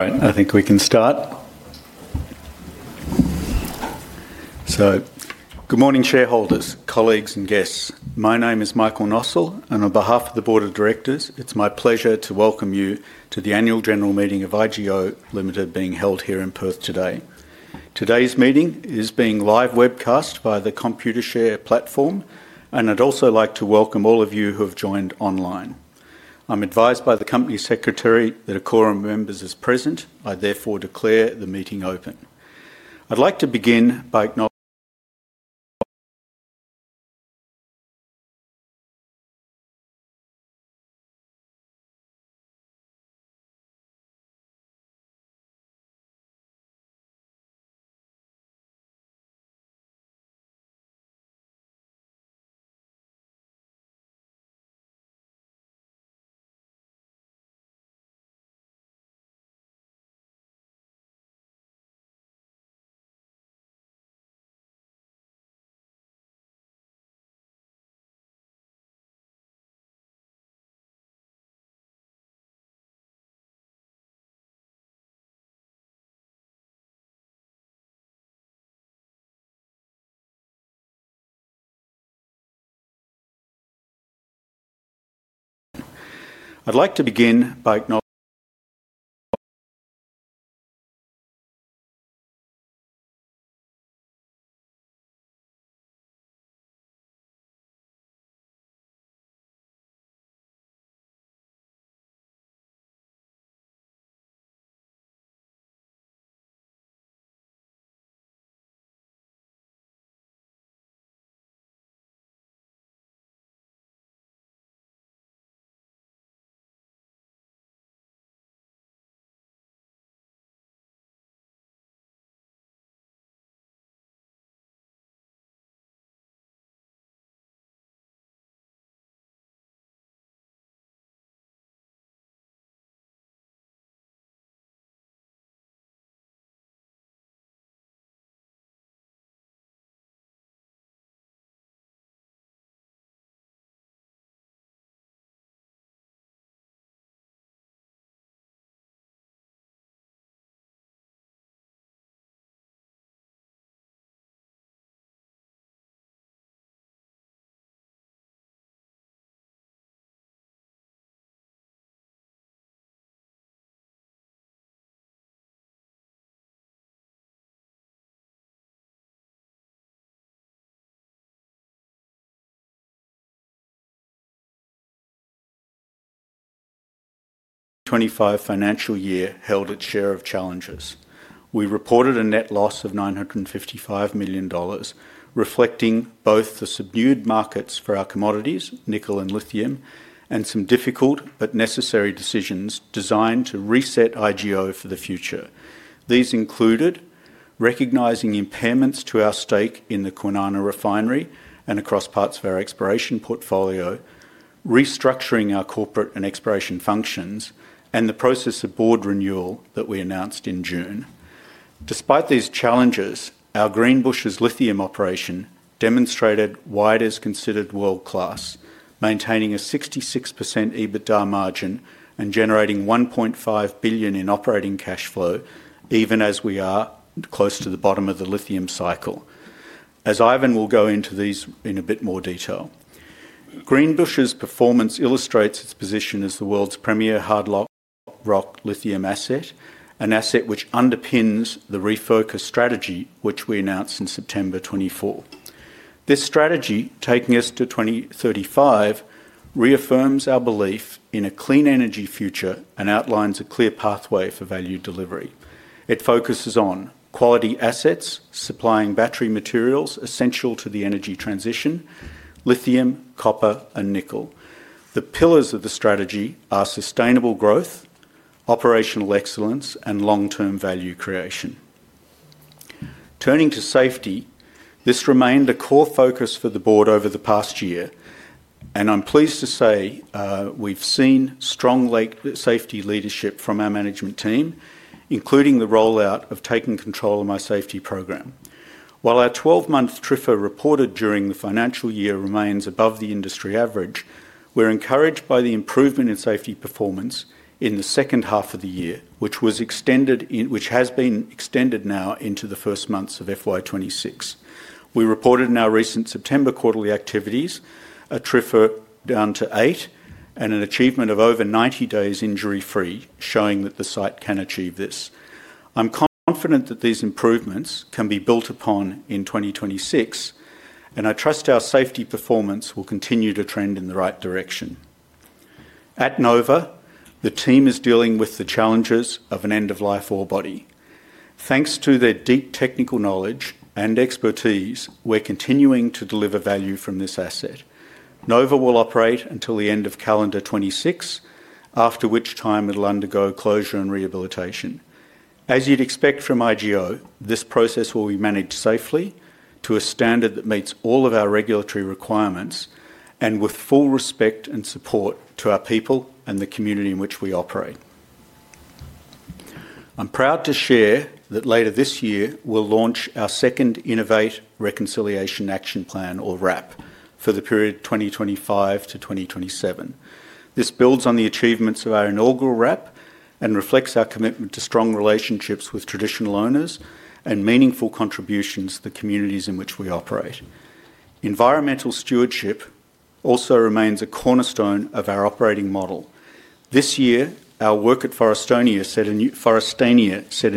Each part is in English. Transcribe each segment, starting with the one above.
I think we can start. Good morning, shareholders, colleagues, and guests. My name is Michael Nossal, and on behalf of the Board of Directors, it's my pleasure to welcome you to the Annual General Meeting of IGO Limited being held here in Perth today. Today's meeting is being live webcasted by the ComputerShare platform, and I'd also like to welcome all of you who have joined online. I'm advised by the Company Secretary that a quorum of members is present. I therefore declare the meeting open. I'd like to begin by acknowledging the 2025 financial year held its share of challenges. We reported a net loss of 955 million dollars, reflecting both the subdued markets for our commodities, nickel and lithium, and some difficult but necessary decisions designed to reset IGO for the future. These included recognizing impairments to our stake in the Kwinana Refinery and across parts of our exploration portfolio, restructuring our corporate and exploration functions, and the process of board renewal that we announced in June. Despite these challenges, our Greenbushes lithium operation demonstrated why it is considered world-class, maintaining a 66% EBITDA margin and generating 1.5 billion in operating cash flow, even as we are close to the bottom of the lithium cycle. As Ivan will go into these in a bit more detail, Greenbushes' performance illustrates its position as the world's premier hard-rock lithium asset, an asset which underpins the refocus strategy which we announced in September 2024. This strategy, taking us to 2035, reaffirms our belief in a clean energy future and outlines a clear pathway for value delivery. It focuses on quality assets supplying battery materials essential to the energy transition: lithium, copper, and nickel. The pillars of the strategy are sustainable growth, operational excellence, and long-term value creation. Turning to safety, this remained a core focus for the board over the past year, and I'm pleased to say we've seen strong safety leadership from our management team, including the rollout of Taking Control of My Safety program. While our 12-month TRIFR reported during the financial year remains above the industry average, we're encouraged by the improvement in safety performance in the second half of the year, which has been extended now into the first months of FY 2026. We reported in our recent September quarterly activities a TRIFR down to 8 and an achievement of over 90 days injury-free, showing that the site can achieve this. I'm confident that these improvements can be built upon in 2026, and I trust our safety performance will continue to trend in the right direction. At Nova, the team is dealing with the challenges of an end-of-life ore body. Thanks to their deep technical knowledge and expertise, we're continuing to deliver value from this asset. Nova will operate until the end of calendar 2026, after which time it'll undergo closure and rehabilitation. As you'd expect from IGO, this process will be managed safely to a standard that meets all of our regulatory requirements and with full respect and support to our people and the community in which we operate. I'm proud to share that later this year, we'll launch our second Innovate Reconciliation Action Plan, or RAP, for the period 2025 to 2027. This builds on the achievements of our inaugural RAP and reflects our commitment to strong relationships with traditional owners and meaningful contributions to the communities in which we operate. Environmental stewardship also remains a cornerstone of our operating model. This year, our work at Forrestania set a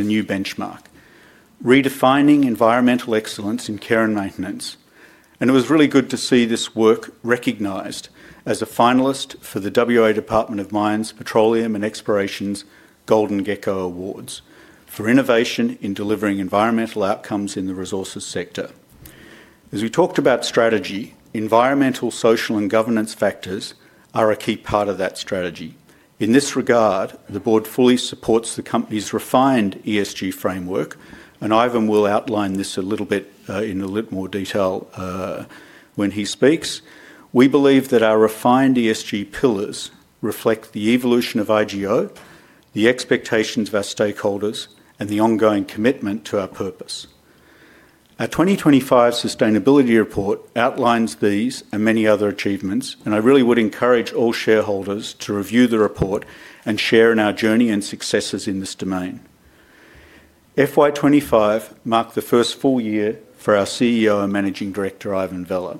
new benchmark, redefining environmental excellence in care and maintenance. It was really good to see this work recognized as a finalist for the WA Department of Mines, Petroleum and Exploration's Golden Gecko Awards for innovation in delivering environmental outcomes in the resources sector. As we talked about strategy, environmental, social, and governance factors are a key part of that strategy. In this regard, the board fully supports the company's refined ESG framework, and Ivan will outline this a little bit in a little more detail when he speaks. We believe that our refined ESG pillars reflect the evolution of IGO, the expectations of our stakeholders, and the ongoing commitment to our purpose. Our 2025 sustainability report outlines these and many other achievements, and I really would encourage all shareholders to review the report and share in our journey and successes in this domain. FY 2025 marked the first full year for our CEO and Managing Director, Ivan Vella.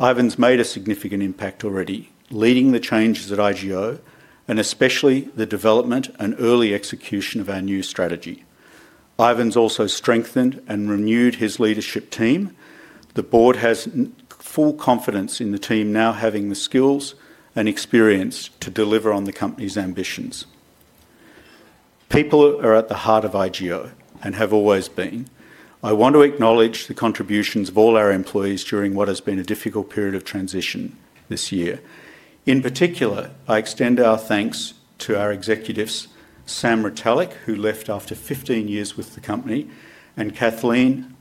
Ivan's made a significant impact already, leading the changes at IGO and especially the development and early execution of our new strategy. Ivan's also strengthened and renewed his leadership team. The board has full confidence in the team now having the skills and experience to deliver on the company's ambitions. People are at the heart of IGO and have always been. I want to acknowledge the contributions of all our employees during what has been a difficult period of transition this year. In particular, I extend our thanks to our executives, Sam Retallack, who left after 15 years with the company, and Kathleen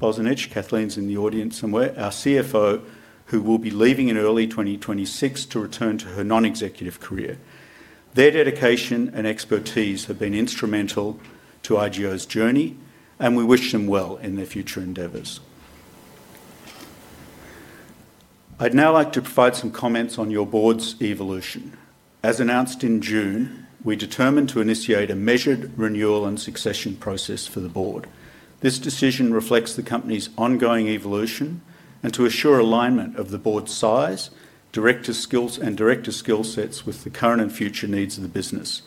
Bozanic. Kathleen's in the audience somewhere. Our CFO, who will be leaving in early 2026 to return to her non-executive career. Their dedication and expertise have been instrumental to IGO's journey, and we wish them well in their future endeavors. I'd now like to provide some comments on your board's evolution. As announced in June, we determined to initiate a measured renewal and succession process for the board. This decision reflects the company's ongoing evolution and to assure alignment of the board's size, director skills, and director skill sets with the current and future needs of the business,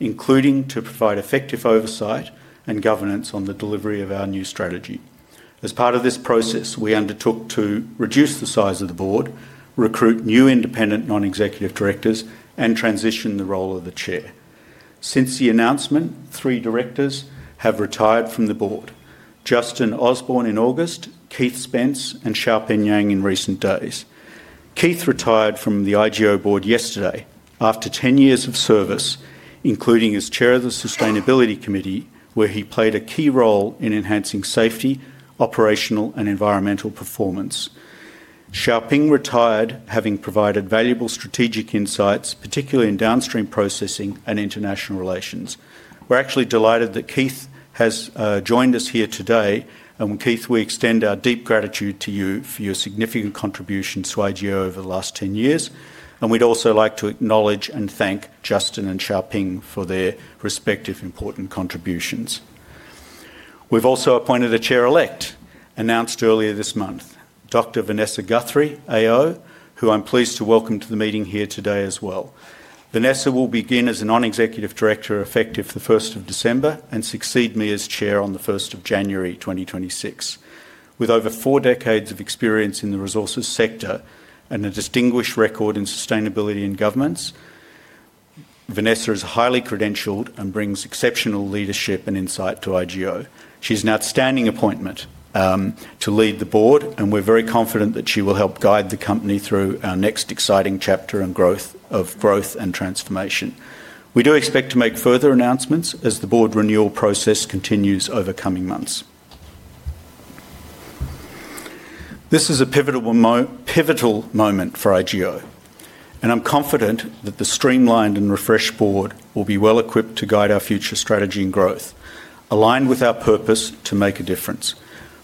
including to provide effective oversight and governance on the delivery of our new strategy. As part of this process, we undertook to reduce the size of the board, recruit new independent non-executive directors, and transition the role of the chair. Since the announcement, three directors have retired from the board: Justin Osborne in August, Keith Spence, and Xiaoping Yang in recent days. Keith retired from the IGO board yesterday after 10 years of service, including as Chair of the Sustainability Committee, where he played a key role in enhancing safety, operational, and environmental performance. Xiaoping retired, having provided valuable strategic insights, particularly in downstream processing and international relations. We are actually delighted that Keith has joined us here today. Keith, we extend our deep gratitude to you for your significant contributions to IGO over the last 10 years. We would also like to acknowledge and thank Justin and Xiaoping for their respective important contributions. We have also appointed a Chair-elect announced earlier this month, Dr. Vanessa Guthrie, AO, who I am pleased to welcome to the meeting here today as well. Vanessa will begin as a non-executive director effective the 1st of December and succeed me as chair on the 1st of January 2026. With over four decades of experience in the resources sector and a distinguished record in sustainability and governance, Vanessa is highly credentialed and brings exceptional leadership and insight to IGO. She's an outstanding appointment to lead the board, and we're very confident that she will help guide the company through our next exciting chapter of growth and transformation. We do expect to make further announcements as the board renewal process continues over coming months. This is a pivotal moment for IGO, and I'm confident that the streamlined and refreshed board will be well equipped to guide our future strategy and growth, aligned with our purpose to make a difference.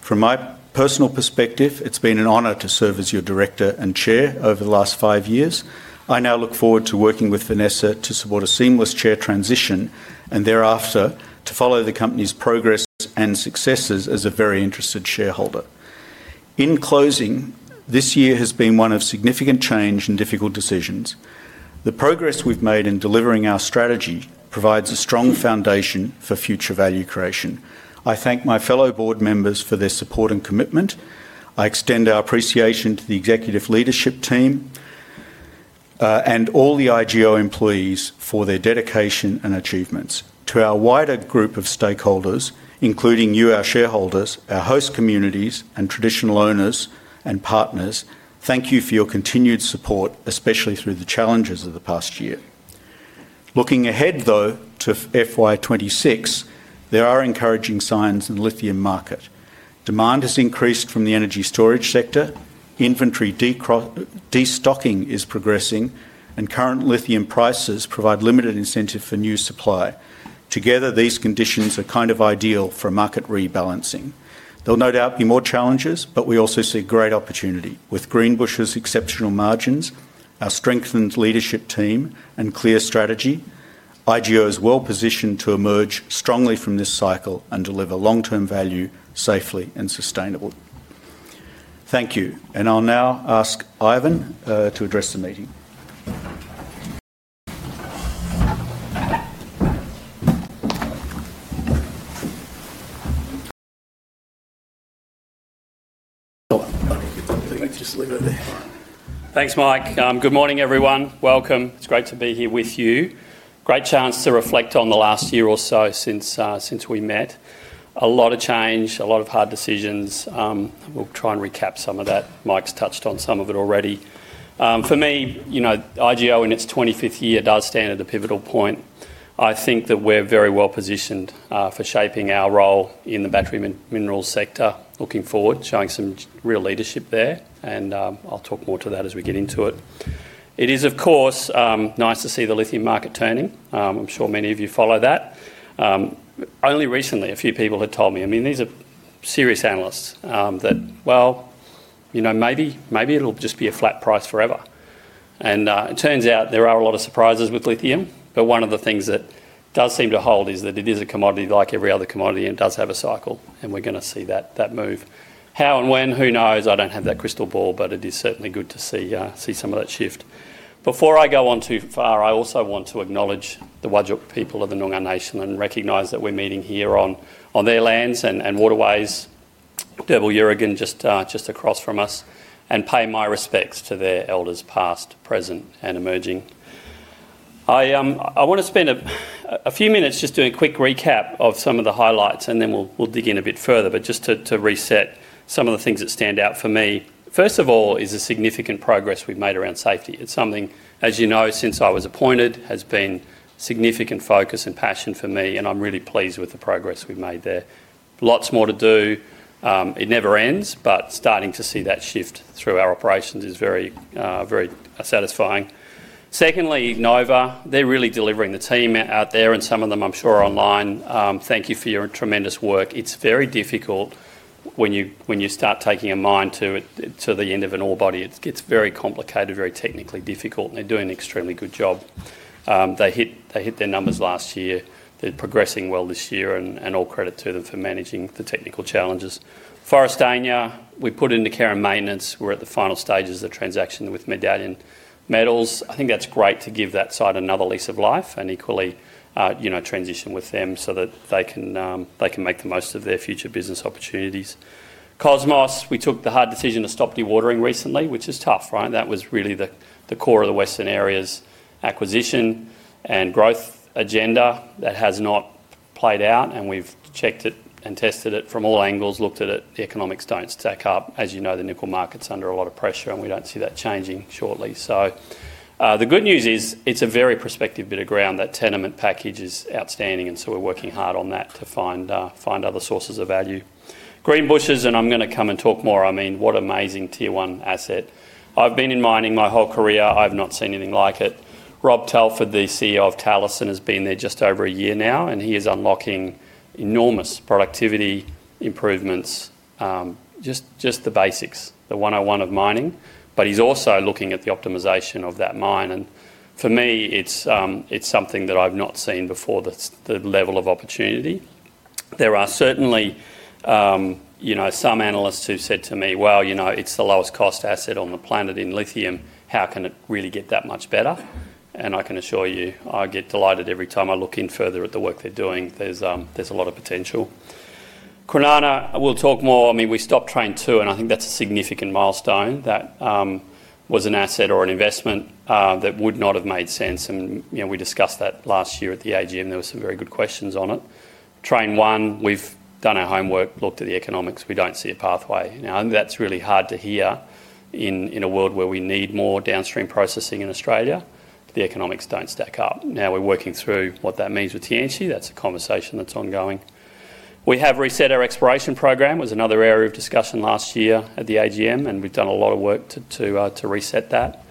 From my personal perspective, it's been an honor to serve as your director and chair over the last five years. I now look forward to working with Vanessa to support a seamless chair transition and thereafter to follow the company's progress and successes as a very interested shareholder. In closing, this year has been one of significant change and difficult decisions. The progress we've made in delivering our strategy provides a strong foundation for future value creation. I thank my fellow board members for their support and commitment. I extend our appreciation to the executive leadership team and all the IGO employees for their dedication and achievements. To our wider group of stakeholders, including you, our shareholders, our host communities, and traditional owners and partners, thank you for your continued support, especially through the challenges of the past year. Looking ahead, though, to FY 2026, there are encouraging signs in the lithium market. Demand has increased from the energy storage sector. Inventory destocking is progressing, and current lithium prices provide limited incentive for new supply. Together, these conditions are kind of ideal for market rebalancing. There'll no doubt be more challenges, but we also see great opportunity. With Greenbushes' exceptional margins, our strengthened leadership team, and clear strategy, IGO is well positioned to emerge strongly from this cycle and deliver long-term value safely and sustainably. Thank you. I'll now ask Ivan to address the meeting. Thanks, Mike. Good morning, everyone. Welcome. It's great to be here with you. Great chance to reflect on the last year or so since we met. A lot of change, a lot of hard decisions. We'll try and recap some of that. Mike's touched on some of it already. For me, IGO in its 25th year does stand at a pivotal point. I think that we're very well positioned for shaping our role in the battery mineral sector looking forward, showing some real leadership there. I will talk more to that as we get into it. It is, of course, nice to see the lithium market turning. I'm sure many of you follow that. Only recently, a few people had told me, I mean, these are serious analysts, that, well, maybe it'll just be a flat price forever. It turns out there are a lot of surprises with lithium, but one of the things that does seem to hold is that it is a commodity like every other commodity and does have a cycle, and we're going to see that move. How and when, who knows? I don't have that crystal ball, but it is certainly good to see some of that shift. Before I go on too far, I also want to acknowledge the Whadjuk people of the Noongar Nation and recognize that we're meeting here on their lands and waterways, Derbal Yaragan just across from us, and pay my respects to their elders past, present, and emerging. I want to spend a few minutes just doing a quick recap of some of the highlights, and then we'll dig in a bit further. Just to reset some of the things that stand out for me, first of all, is the significant progress we've made around safety. It's something, as you know, since I was appointed, has been significant focus and passion for me, and I'm really pleased with the progress we've made there. Lots more to do. It never ends, but starting to see that shift through our operations is very satisfying. Secondly, Nova, they're really delivering. The team out there and some of them, I'm sure, are online. Thank you for your tremendous work. It's very difficult when you start taking a mine to the end of an ore body. It gets very complicated, very technically difficult, and they're doing an extremely good job. They hit their numbers last year. They're progressing well this year, and all credit to them for managing the technical challenges. Forrestania, we put into care and maintenance. We're at the final stages of the transaction with Medallion Metals. I think that's great to give that site another lease of life and equally transition with them so that they can make the most of their future business opportunities. Cosmos, we took the hard decision to stop dewatering recently, which is tough, right? That was really the core of the Western Areas acquisition and growth agenda that has not played out, and we've checked it and tested it from all angles, looked at it. The economics do not stack up. As you know, the nickel market is under a lot of pressure, and we do not see that changing shortly. The good news is it is a very prospective bit of ground. That tenement package is outstanding, and we are working hard on that to find other sources of value. Greenbushes, and I am going to come and talk more. I mean, what an amazing tier-one asset. I have been in mining my whole career. I have not seen anything like it. Rob Telford, the CEO of Talison, has been there just over a year now, and he is unlocking enormous productivity improvements, just the basics, the 101 of mining, but he's also looking at the optimization of that mine. For me, it's something that I've not seen before, the level of opportunity. There are certainly some analysts who've said to me, "It's the lowest-cost asset on the planet in lithium. How can it really get that much better?" I can assure you, I get delighted every time I look in further at the work they're doing. There's a lot of potential. Kwinana, we'll talk more. I mean, we stopped train two, and I think that's a significant milestone. That was an asset or an investment that would not have made sense. We discussed that last year at the AGM. There were some very good questions on it. Train 1, we've done our homework, looked at the economics. We don't see a pathway. Now, that's really hard to hear in a world where we need more downstream processing in Australia. The economics don't stack up. Now, we're working through what that means with TNC. That's a conversation that's ongoing. We have reset our exploration program. It was another area of discussion last year at the AGM, and we've done a lot of work to reset that.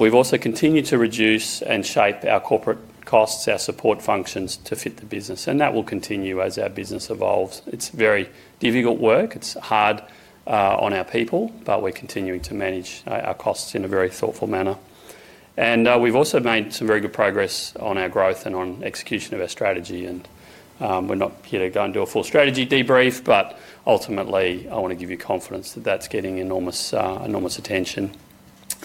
We've also continued to reduce and shape our corporate costs, our support functions to fit the business. That will continue as our business evolves. It's very difficult work. It's hard on our people, but we're continuing to manage our costs in a very thoughtful manner. We've also made some very good progress on our growth and on execution of our strategy. We're not here to go and do a full strategy debrief, but ultimately, I want to give you confidence that that's getting enormous attention.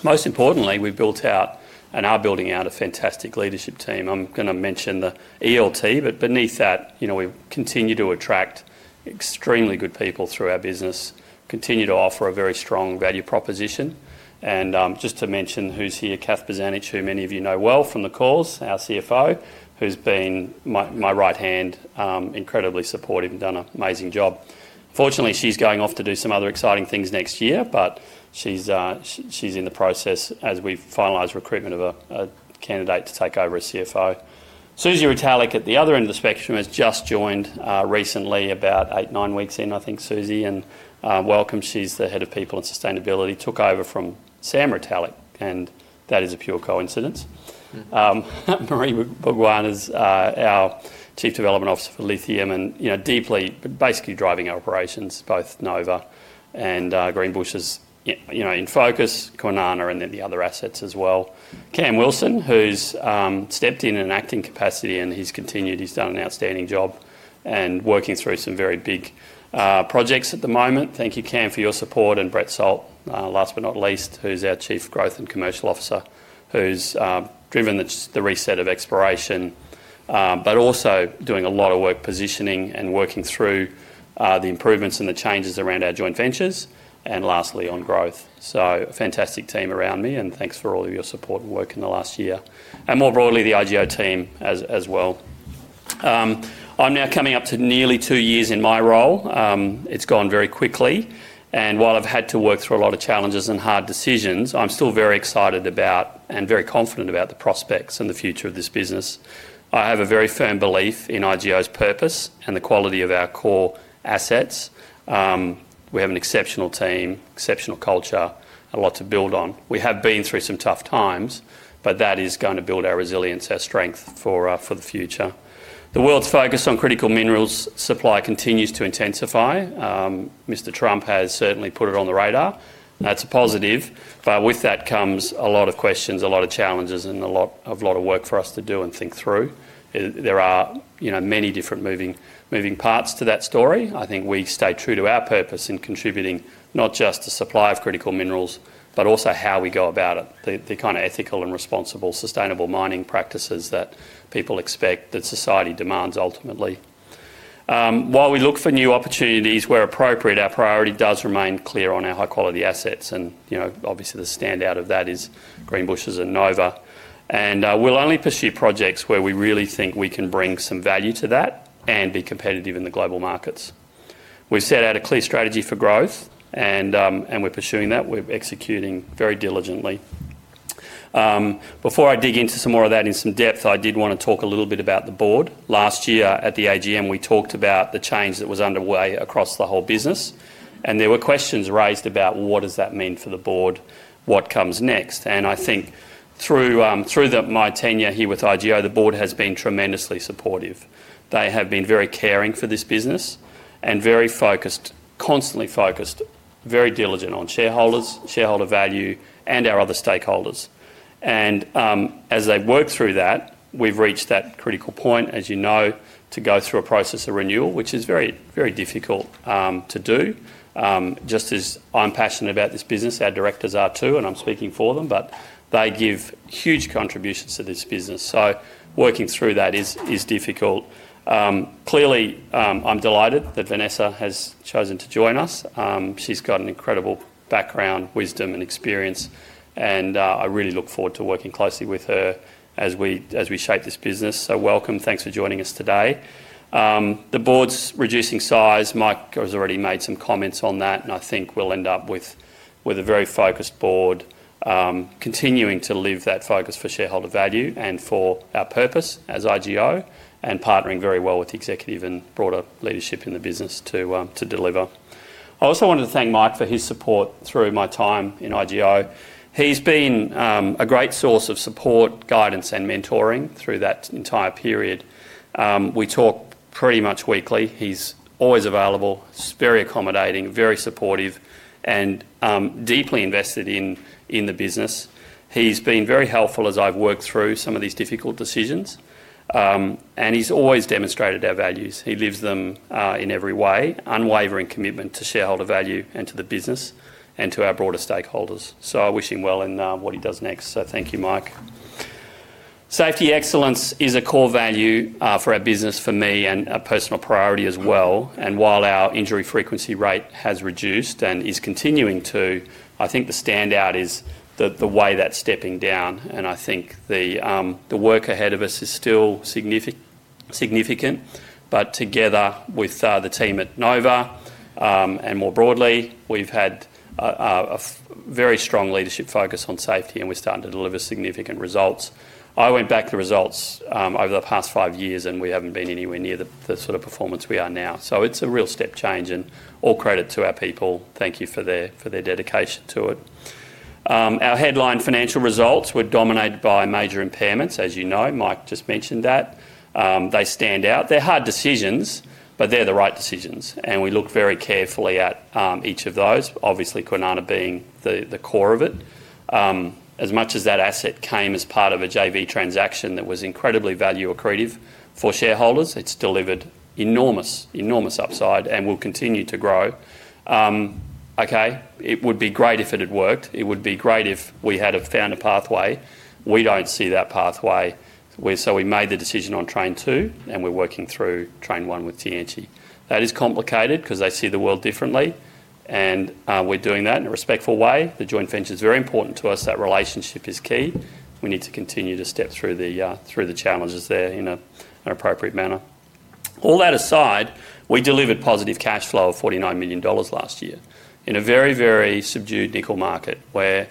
Most importantly, we've built out and are building out a fantastic leadership team. I'm going to mention the ELT, but beneath that, we continue to attract extremely good people through our business, continue to offer a very strong value proposition. Just to mention who's here, Kath Bozanic, who many of you know well from the calls, our CFO, who's been my right hand, incredibly supportive and done an amazing job. Fortunately, she's going off to do some other exciting things next year, but she's in the process as we finalize recruitment of a candidate to take over as CFO. Suzy Retallack at the other end of the spectrum has just joined recently, about eight, nine weeks in, I think, Suzy. Welcome. She's the Head of People and Sustainability, took over from Sam Retallack, and that is a pure coincidence. Marie Bourgoin is our Chief Development Officer for Lithium and deeply, basically driving our operations, both Nova and Greenbushes in focus, Kwinana, and then the other assets as well. Cam Wilson, who's stepped in an acting capacity, and he's continued. He's done an outstanding job and working through some very big projects at the moment. Thank you, Cam, for your support. And Brett Salt, last but not least, who's our Chief Growth and Commercial Officer, who's driven the reset of exploration, but also doing a lot of work positioning and working through the improvements and the changes around our joint ventures, and lastly, on growth. A fantastic team around me, and thanks for all of your support and work in the last year. More broadly, the IGO team as well. I am now coming up to nearly two years in my role. It has gone very quickly. While I have had to work through a lot of challenges and hard decisions, I am still very excited about and very confident about the prospects and the future of this business. I have a very firm belief in IGO's purpose and the quality of our core assets. We have an exceptional team, exceptional culture, a lot to build on. We have been through some tough times. That is going to build our resilience, our strength for the future. The world's focus on critical minerals supply continues to intensify. Mr. Trump has certainly put it on the radar. That is a positive. With that comes a lot of questions, a lot of challenges, and a lot of work for us to do and think through. There are many different moving parts to that story. I think we stay true to our purpose in contributing not just the supply of critical minerals, but also how we go about it, the kind of ethical and responsible sustainable mining practices that people expect, that society demands ultimately. While we look for new opportunities where appropriate, our priority does remain clear on our high-quality assets. Obviously, the standout of that is Greenbushes and Nova. We will only pursue projects where we really think we can bring some value to that and be competitive in the global markets. We have set out a clear strategy for growth, and we are pursuing that. We are executing very diligently. Before I dig into some more of that in some depth, I did want to talk a little bit about the board. Last year at the AGM, we talked about the change that was underway across the whole business. There were questions raised about what does that mean for the board, what comes next. I think through my tenure here with IGO, the board has been tremendously supportive. They have been very caring for this business and very focused, constantly focused, very diligent on shareholders, shareholder value, and our other stakeholders. As they've worked through that, we've reached that critical point, as you know, to go through a process of renewal, which is very difficult to do. Just as I'm passionate about this business, our directors are too, and I'm speaking for them, but they give huge contributions to this business. Working through that is difficult. Clearly, I'm delighted that Vanessa has chosen to join us. She's got an incredible background, wisdom, and experience. I really look forward to working closely with her as we shape this business. Welcome. Thanks for joining us today. The board's reducing size. Mike has already made some comments on that, and I think we'll end up with a very focused board continuing to live that focus for shareholder value and for our purpose as IGO and partnering very well with the executive and broader leadership in the business to deliver. I also wanted to thank Mike for his support through my time in IGO. He's been a great source of support, guidance, and mentoring through that entire period. We talk pretty much weekly. He's always available, very accommodating, very supportive, and deeply invested in the business. He's been very helpful as I've worked through some of these difficult decisions. He's always demonstrated our values. He lives them in every way, unwavering commitment to shareholder value and to the business and to our broader stakeholders. I wish him well in what he does next. Thank you, Mike. Safety excellence is a core value for our business, for me, and a personal priority as well. While our injury frequency rate has reduced and is continuing to, I think the standout is the way that's stepping down. I think the work ahead of us is still significant. Together with the team at Nova and more broadly, we've had a very strong leadership focus on safety, and we're starting to deliver significant results. I went back to the results over the past five years, and we haven't been anywhere near the sort of performance we are now. It's a real step change, and all credit to our people. Thank you for their dedication to it. Our headline financial results were dominated by major impairments, as you know. Mike just mentioned that. They stand out. They're hard decisions, but they're the right decisions. We look very carefully at each of those, obviously, Kwinana being the core of it. As much as that asset came as part of a JV transaction that was incredibly value accretive for shareholders, it's delivered enormous, enormous upside and will continue to grow. It would be great if it had worked. It would be great if we had found a pathway. We don't see that pathway. We made the decision on train two, and we're working through Train 1 with Tianqi. That is complicated because they see the world differently, and we're doing that in a respectful way. The joint venture is very important to us. That relationship is key. We need to continue to step through the challenges there in an appropriate manner. All that aside, we delivered positive cash flow of 49 million dollars last year in a very, very subdued nickel market where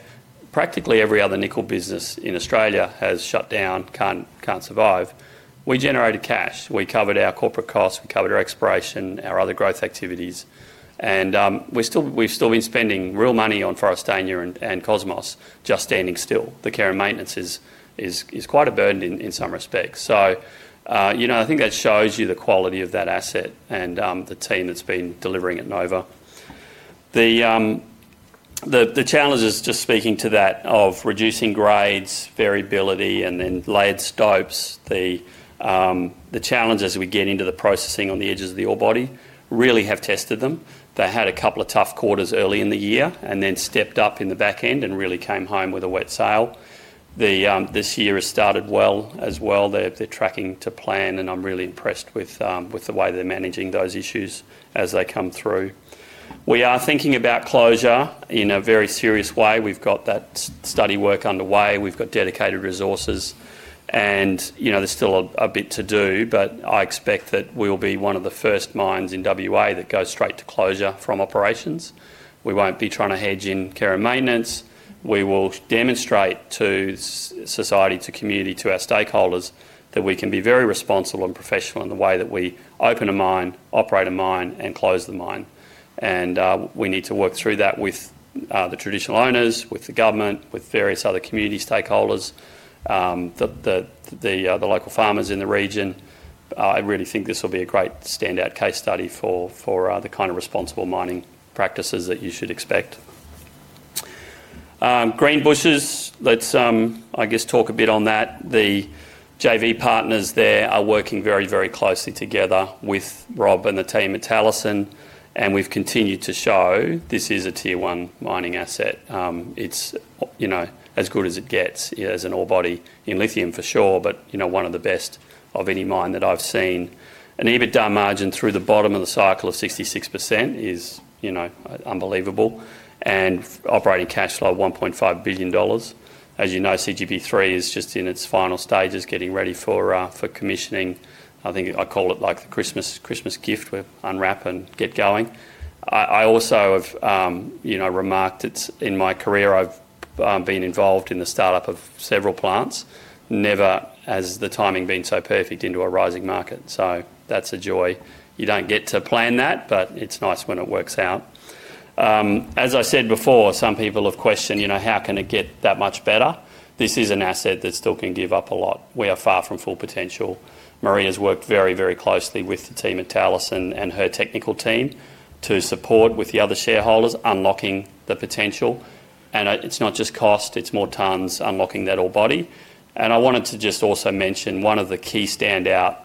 practically every other nickel business in Australia has shut down, cannot survive. We generated cash. We covered our corporate costs. We covered our exploration, our other growth activities. We have still been spending real money on Forrestania and Cosmos just standing still. The care and maintenance is quite a burden in some respects. I think that shows you the quality of that asset and the team that has been delivering it in Nova. The challenges, just speaking to that, of reducing grades, variability, and then layered stopes, the challenges we get into the processing on the edges of the ore body really have tested them. They had a couple of tough quarters early in the year and then stepped up in the back end and really came home with a wet sail. This year has started well as well. They're tracking to plan, and I'm really impressed with the way they're managing those issues as they come through. We are thinking about closure in a very serious way. We've got that study work underway. We've got dedicated resources. There's still a bit to do, but I expect that we'll be one of the first mines in WA that goes straight to closure from operations. We won't be trying to hedge in care and maintenance. We will demonstrate to society, to community, to our stakeholders that we can be very responsible and professional in the way that we open a mine, operate a mine, and close the mine. We need to work through that with the traditional owners, with the government, with various other community stakeholders, the local farmers in the region. I really think this will be a great standout case study for the kind of responsible mining practices that you should expect. Greenbushes, let's I guess talk a bit on that. The JV partners there are working very, very closely together with Rob and the team at Talison. We have continued to show this is a tier one mining asset. It is as good as it gets as an ore body in lithium for sure, but one of the best of any mine that I have seen. An EBITDA margin through the bottom of the cycle of 66% is unbelievable and operating cash flow of 1.5 billion dollars. As you know, CGP3 is just in its final stages getting ready for commissioning. I think I call it like the Christmas gift you unwrap and get going. I also have remarked that in my career, I've been involved in the startup of several plants. Never has the timing been so perfect into a rising market. That's a joy. You don't get to plan that, but it's nice when it works out. As I said before, some people have questioned, how can it get that much better? This is an asset that still can give up a lot. We are far from full potential. Marie has worked very, very closely with the team at Talison and her technical team to support with the other shareholders unlocking the potential. It's not just cost. It's more tons unlocking that ore body. I wanted to just also mention one of the key standout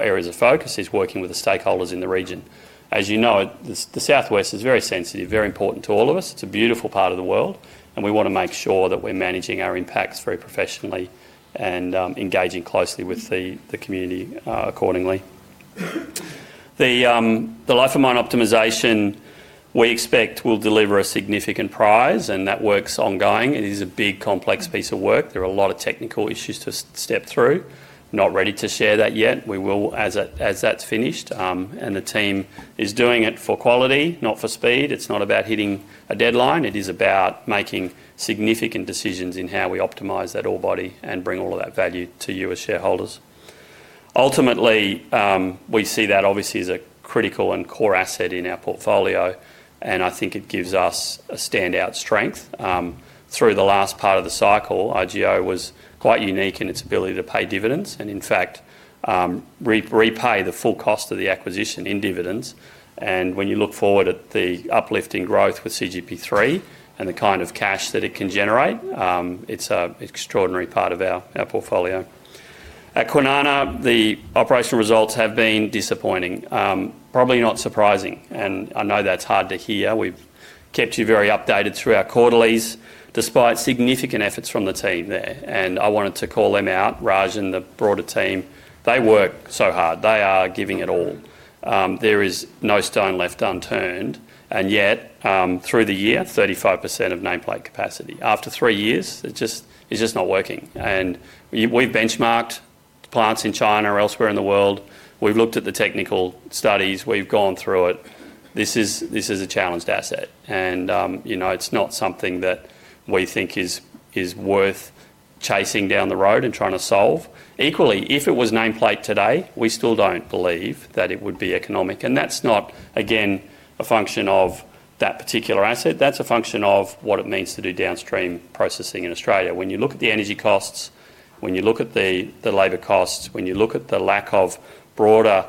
areas of focus is working with the stakeholders in the region. As you know, the Southwest is very sensitive, very important to all of us. It is a beautiful part of the world. We want to make sure that we are managing our impacts very professionally and engaging closely with the community accordingly. The life of mine optimization, we expect, will deliver a significant prize, and that work is ongoing. It is a big, complex piece of work. There are a lot of technical issues to step through. Not ready to share that yet. We will as that is finished. The team is doing it for quality, not for speed. It is not about hitting a deadline. It is about making significant decisions in how we optimize that ore body and bring all of that value to you as shareholders. Ultimately, we see that obviously as a critical and core asset in our portfolio. I think it gives us a standout strength. Through the last part of the cycle, IGO was quite unique in its ability to pay dividends and, in fact, repay the full cost of the acquisition in dividends. When you look forward at the uplifting growth with CGP3 and the kind of cash that it can generate, it is an extraordinary part of our portfolio. At Kwinana, the operational results have been disappointing, probably not surprising. I know that is hard to hear. We have kept you very updated through our quarterlies despite significant efforts from the team there. I wanted to call them out, Raj and the broader team. They work so hard. They are giving it all. There is no stone left unturned. Yet, through the year, 35% of nameplate capacity. After three years, it is just not working. We have benchmarked plants in China or elsewhere in the world. We have looked at the technical studies. We've gone through it. This is a challenged asset. It's not something that we think is worth chasing down the road and trying to solve. Equally, if it was nameplate today, we still don't believe that it would be economic. That's not, again, a function of that particular asset. That's a function of what it means to do downstream processing in Australia. When you look at the energy costs, when you look at the labor costs, when you look at the lack of broader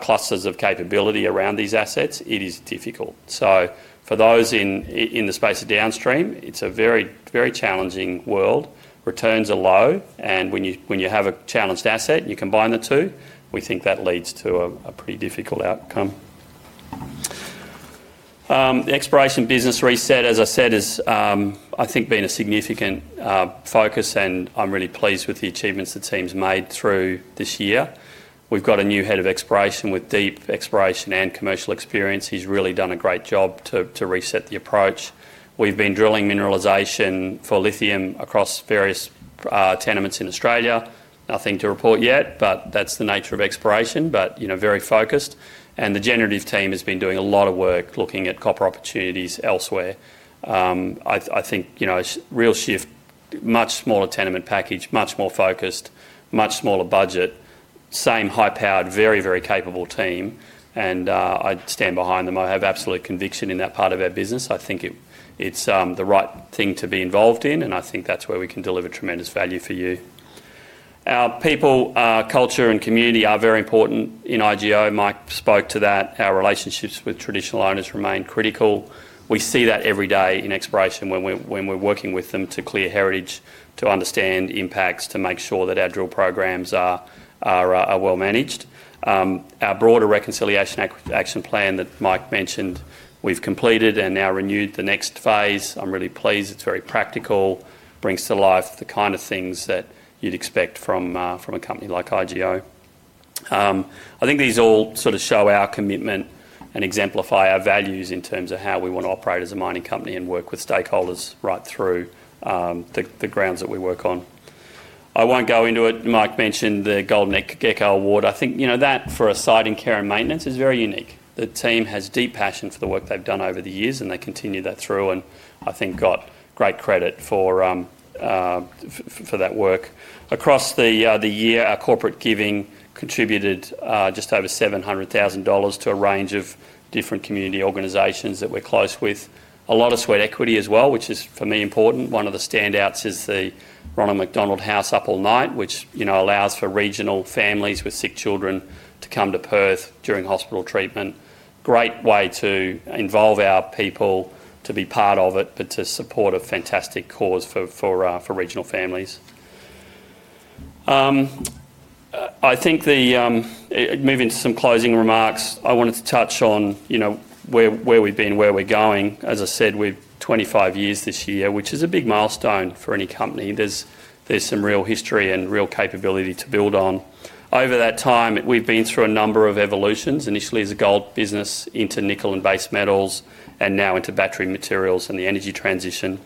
clusters of capability around these assets, it is difficult. For those in the space of downstream, it's a very, very challenging world. Returns are low. When you have a challenged asset and you combine the two, we think that leads to a pretty difficult outcome. The exploration business reset, as I said, has I think been a significant focus, and I'm really pleased with the achievements the team's made through this year. We've got a new head of exploration with deep exploration and commercial experience. He's really done a great job to reset the approach. We've been drilling mineralization for lithium across various tenements in Australia. Nothing to report yet, but that's the nature of exploration, but very focused. The generative team has been doing a lot of work looking at copper opportunities elsewhere. I think real shift, much smaller tenement package, much more focused, much smaller budget, same high-powered, very, very capable team. I stand behind them. I have absolute conviction in that part of our business. I think it's the right thing to be involved in, and I think that's where we can deliver tremendous value for you. Our people, culture, and community are very important in IGO. Mike spoke to that. Our relationships with traditional owners remain critical. We see that every day in exploration when we're working with them to clear heritage, to understand impacts, to make sure that our drill programs are well managed. Our broader Reconciliation Action Plan that Mike mentioned, we've completed and now renewed the next phase. I'm really pleased. It's very practical, brings to life the kind of things that you'd expect from a company like IGO. I think these all sort of show our commitment and exemplify our values in terms of how we want to operate as a mining company and work with stakeholders right through the grounds that we work on. I won't go into it. Mike mentioned the Golden Egg Gecko Award. I think that for a site in care and maintenance is very unique. The team has deep passion for the work they've done over the years, and they continue that through. I think got great credit for that work. Across the year, our corporate giving contributed just over 700,000 dollars to a range of different community organizations that we're close with. A lot of sweat equity as well, which is, for me, important. One of the standouts is the Ronald McDonald House Up All Night, which allows for regional families with sick children to come to Perth during hospital treatment. Great way to involve our people to be part of it, but to support a fantastic cause for regional families. I think moving to some closing remarks, I wanted to touch on where we've been, where we're going. As I said, we're 25 years this year, which is a big milestone for any company. There's some real history and real capability to build on. Over that time, we've been through a number of evolutions, initially as a gold business into nickel and base metals and now into battery materials and the energy transition.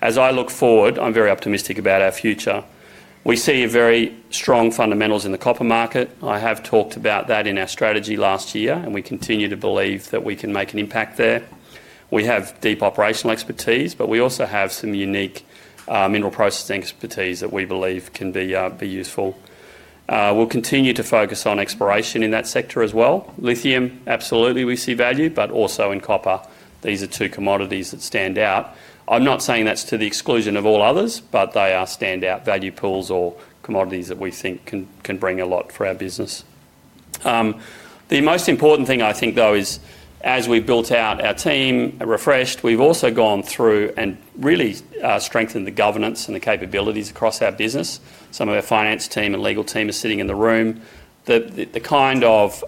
As I look forward, I'm very optimistic about our future. We see very strong fundamentals in the copper market. I have talked about that in our strategy last year, and we continue to believe that we can make an impact there. We have deep operational expertise, but we also have some unique mineral processing expertise that we believe can be useful. We'll continue to focus on exploration in that sector as well. Lithium, absolutely, we see value, but also in copper. These are two commodities that stand out. I'm not saying that's to the exclusion of all others, but they are standout value pools or commodities that we think can bring a lot for our business. The most important thing, I think, though, is as we've built out our team, refreshed, we've also gone through and really strengthened the governance and the capabilities across our business. Some of our finance team and legal team are sitting in the room. The kind of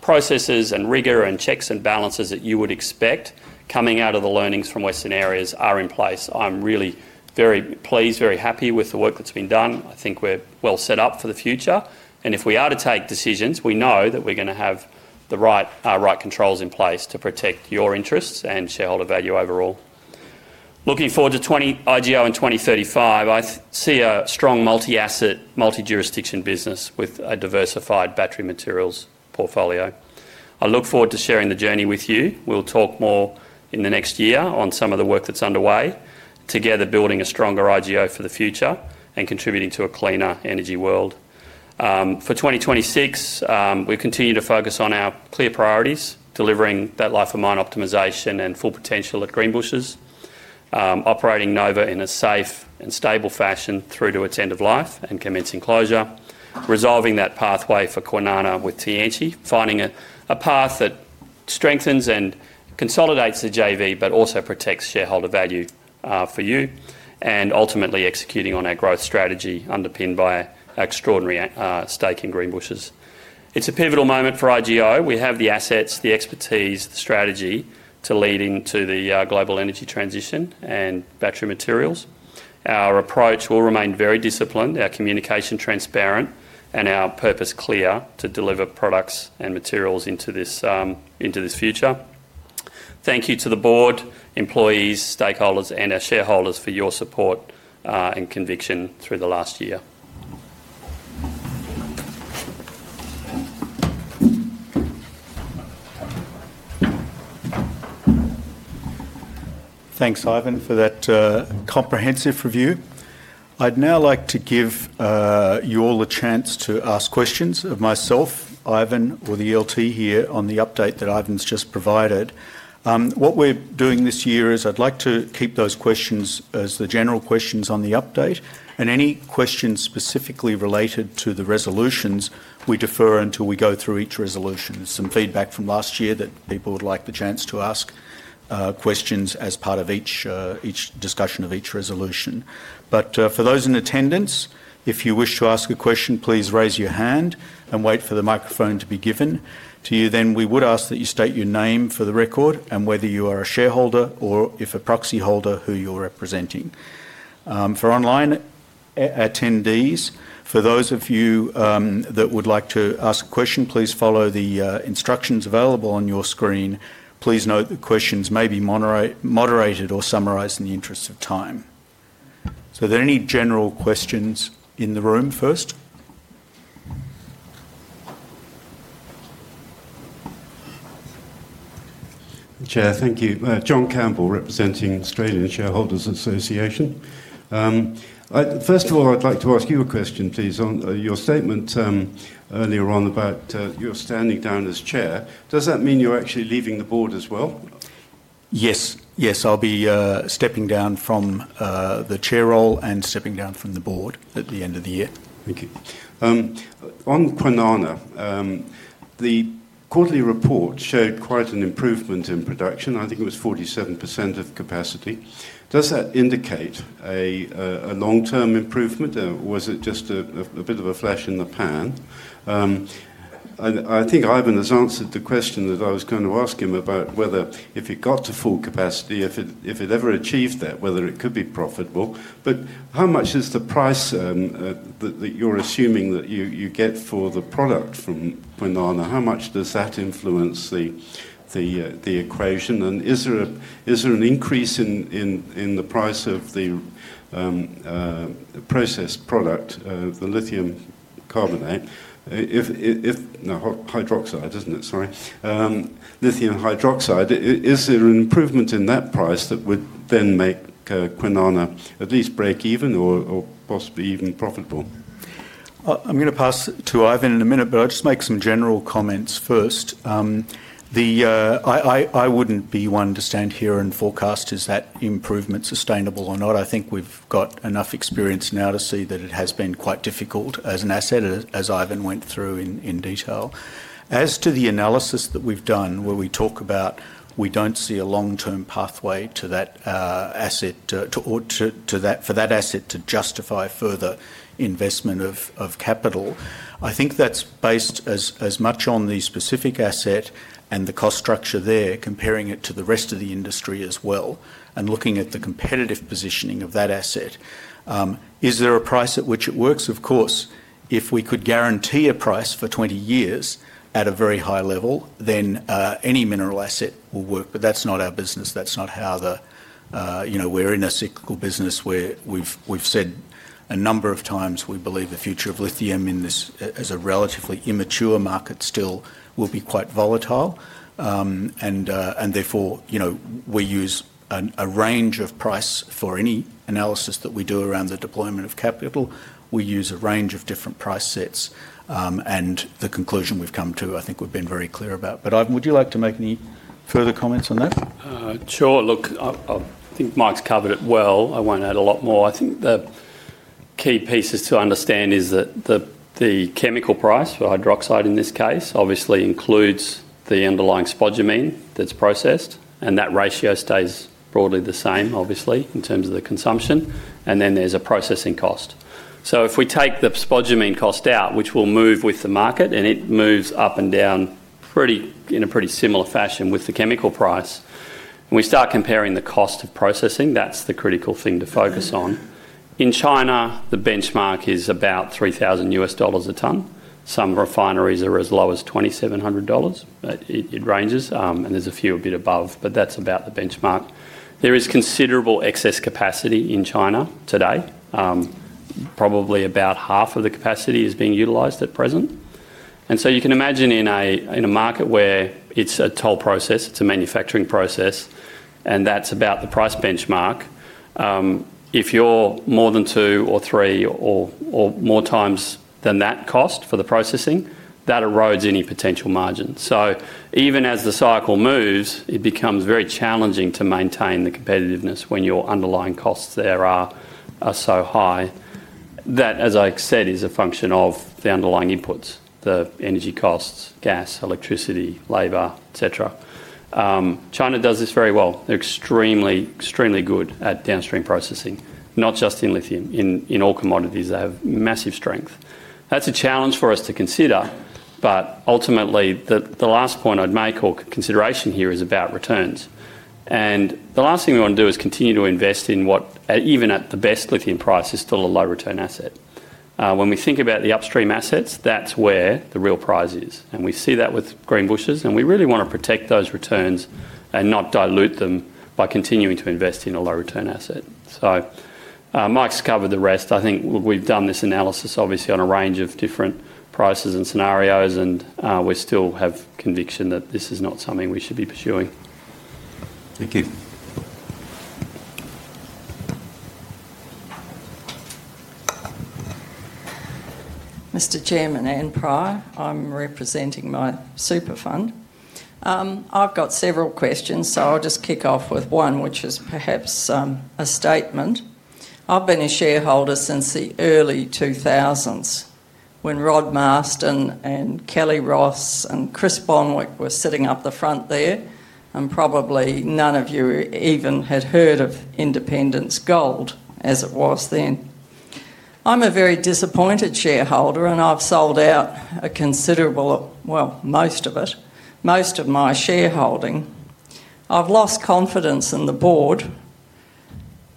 processes and rigor and checks and balances that you would expect coming out of the learnings from Western Areas are in place. I'm really very pleased, very happy with the work that's been done. I think we're well set up for the future. If we are to take decisions, we know that we're going to have the right controls in place to protect your interests and shareholder value overall. Looking forward to IGO in 2035, I see a strong multi-asset, multi-jurisdiction business with a diversified battery materials portfolio. I look forward to sharing the journey with you. We'll talk more in the next year on some of the work that's underway, together building a stronger IGO for the future and contributing to a cleaner energy world. For 2026, we continue to focus on our clear priorities, delivering that life of mine optimization and full potential at Greenbushes, operating Nova in a safe and stable fashion through to its end of life and commencing closure, resolving that pathway for Kwinana with T&C, finding a path that strengthens and consolidates the JV, but also protects shareholder value for you, and ultimately executing on our growth strategy underpinned by our extraordinary stake in Greenbushes. It's a pivotal moment for IGO. We have the assets, the expertise, the strategy to lead into the global energy transition and battery materials. Our approach will remain very disciplined, our communication transparent, and our purpose clear to deliver products and materials into this future. Thank you to the board, employees, stakeholders, and our shareholders for your support and conviction through the last year. Thanks, Ivan, for that comprehensive review. I would now like to give you all a chance to ask questions of myself, Ivan, or the ELT here on the update that Ivan has just provided. What we are doing this year is I would like to keep those questions as the general questions on the update. Any questions specifically related to the resolutions, we defer until we go through each resolution. There is some feedback from last year that people would like the chance to ask questions as part of each discussion of each resolution. For those in attendance, if you wish to ask a question, please raise your hand and wait for the microphone to be given to you. We would ask that you state your name for the record and whether you are a shareholder or, if a proxy holder, who you are representing. For online attendees, for those of you that would like to ask a question, please follow the instructions available on your screen. Please note that questions may be moderated or summarized in the interest of time. Are there any general questions in the room first? Chair, thank you. John Campbell, representing Australian Shareholders Association. First of all, I'd like to ask you a question, please. Your statement earlier on about your standing down as Chair, does that mean you're actually leaving the board as well? Yes. Yes. I'll be stepping down from the Chair role and stepping down from the Board at the end of the year. Thank you. On Kwinana, the quarterly report showed quite an improvement in production. I think it was 47% of capacity. Does that indicate a long-term improvement, or was it just a bit of a flash in the pan? I think Ivan has answered the question that I was going to ask him about whether, if it got to full capacity, if it ever achieved that, whether it could be profitable. How much is the price that you're assuming that you get for the product from Kwinana? How much does that influence the equation? Is there an increase in the price of the processed product, the lithium carbonate? No, hydroxide, isn't it? Sorry. Lithium hydroxide. Is there an improvement in that price that would then make Kwinana at least break even or possibly even profitable? I'm going to pass to Ivan in a minute, but I'll just make some general comments first. I wouldn't be one to stand here and forecast is that improvement sustainable or not. I think we've got enough experience now to see that it has been quite difficult as an asset, as Ivan went through in detail. As to the analysis that we've done, where we talk about we don't see a long-term pathway to that asset or for that asset to justify further investment of capital, I think that's based as much on the specific asset and the cost structure there, comparing it to the rest of the industry as well, and looking at the competitive positioning of that asset. Is there a price at which it works? Of course, if we could guarantee a price for 20 years at a very high level, then any mineral asset will work. That is not our business. That is not how the—we are in a cyclical business where we have said a number of times we believe the future of lithium as a relatively immature market still will be quite volatile. Therefore, we use a range of price for any analysis that we do around the deployment of capital. We use a range of different price sets. The conclusion we have come to, I think we have been very clear about. Ivan, would you like to make any further comments on that? Sure. Look, I think Mike has covered it well. I will not add a lot more. I think the key pieces to understand is that the chemical price for hydroxide in this case obviously includes the underlying spodumene that is processed. That ratio stays broadly the same, obviously, in terms of the consumption. Then there is a processing cost. If we take the spodumene cost out, which will move with the market, and it moves up and down in a pretty similar fashion with the chemical price, and we start comparing the cost of processing, that is the critical thing to focus on. In China, the benchmark is about $3,000 a ton. Some refineries are as low as $2,700. It ranges. There are a few a bit above, but that is about the benchmark. There is considerable excess capacity in China today. Probably about half of the capacity is being utilized at present. You can imagine in a market where it's a toll process, it's a manufacturing process, and that's about the price benchmark. If you're more than two or three or more times than that cost for the processing, that erodes any potential margin. Even as the cycle moves, it becomes very challenging to maintain the competitiveness when your underlying costs there are so high. That, as I said, is a function of the underlying inputs, the energy costs, gas, electricity, labor, etc. China does this very well. They're extremely, extremely good at downstream processing, not just in lithium. In all commodities, they have massive strength. That's a challenge for us to consider. Ultimately, the last point I'd make or consideration here is about returns. The last thing we want to do is continue to invest in what, even at the best lithium price, is still a low-return asset. When we think about the upstream assets, that's where the real prize is. We see that with Greenbushes. We really want to protect those returns and not dilute them by continuing to invest in a low-return asset. Mike's covered the rest. I think we've done this analysis, obviously, on a range of different prices and scenarios. We still have conviction that this is not something we should be pursuing. Thank you. Mr. Chairman, and Prior, I'm representing my super fund. I've got several questions, so I'll just kick off with one, which is perhaps a statement. I've been a shareholder since the early 2000s when Rod Marston and Kelly Ross and Chris Bonwick were sitting up the front there. Probably none of you even had heard of Independence Gold as it was then. I'm a very disappointed shareholder, and I've sold out a considerable, well, most of it, most of my shareholding. I've lost confidence in the board,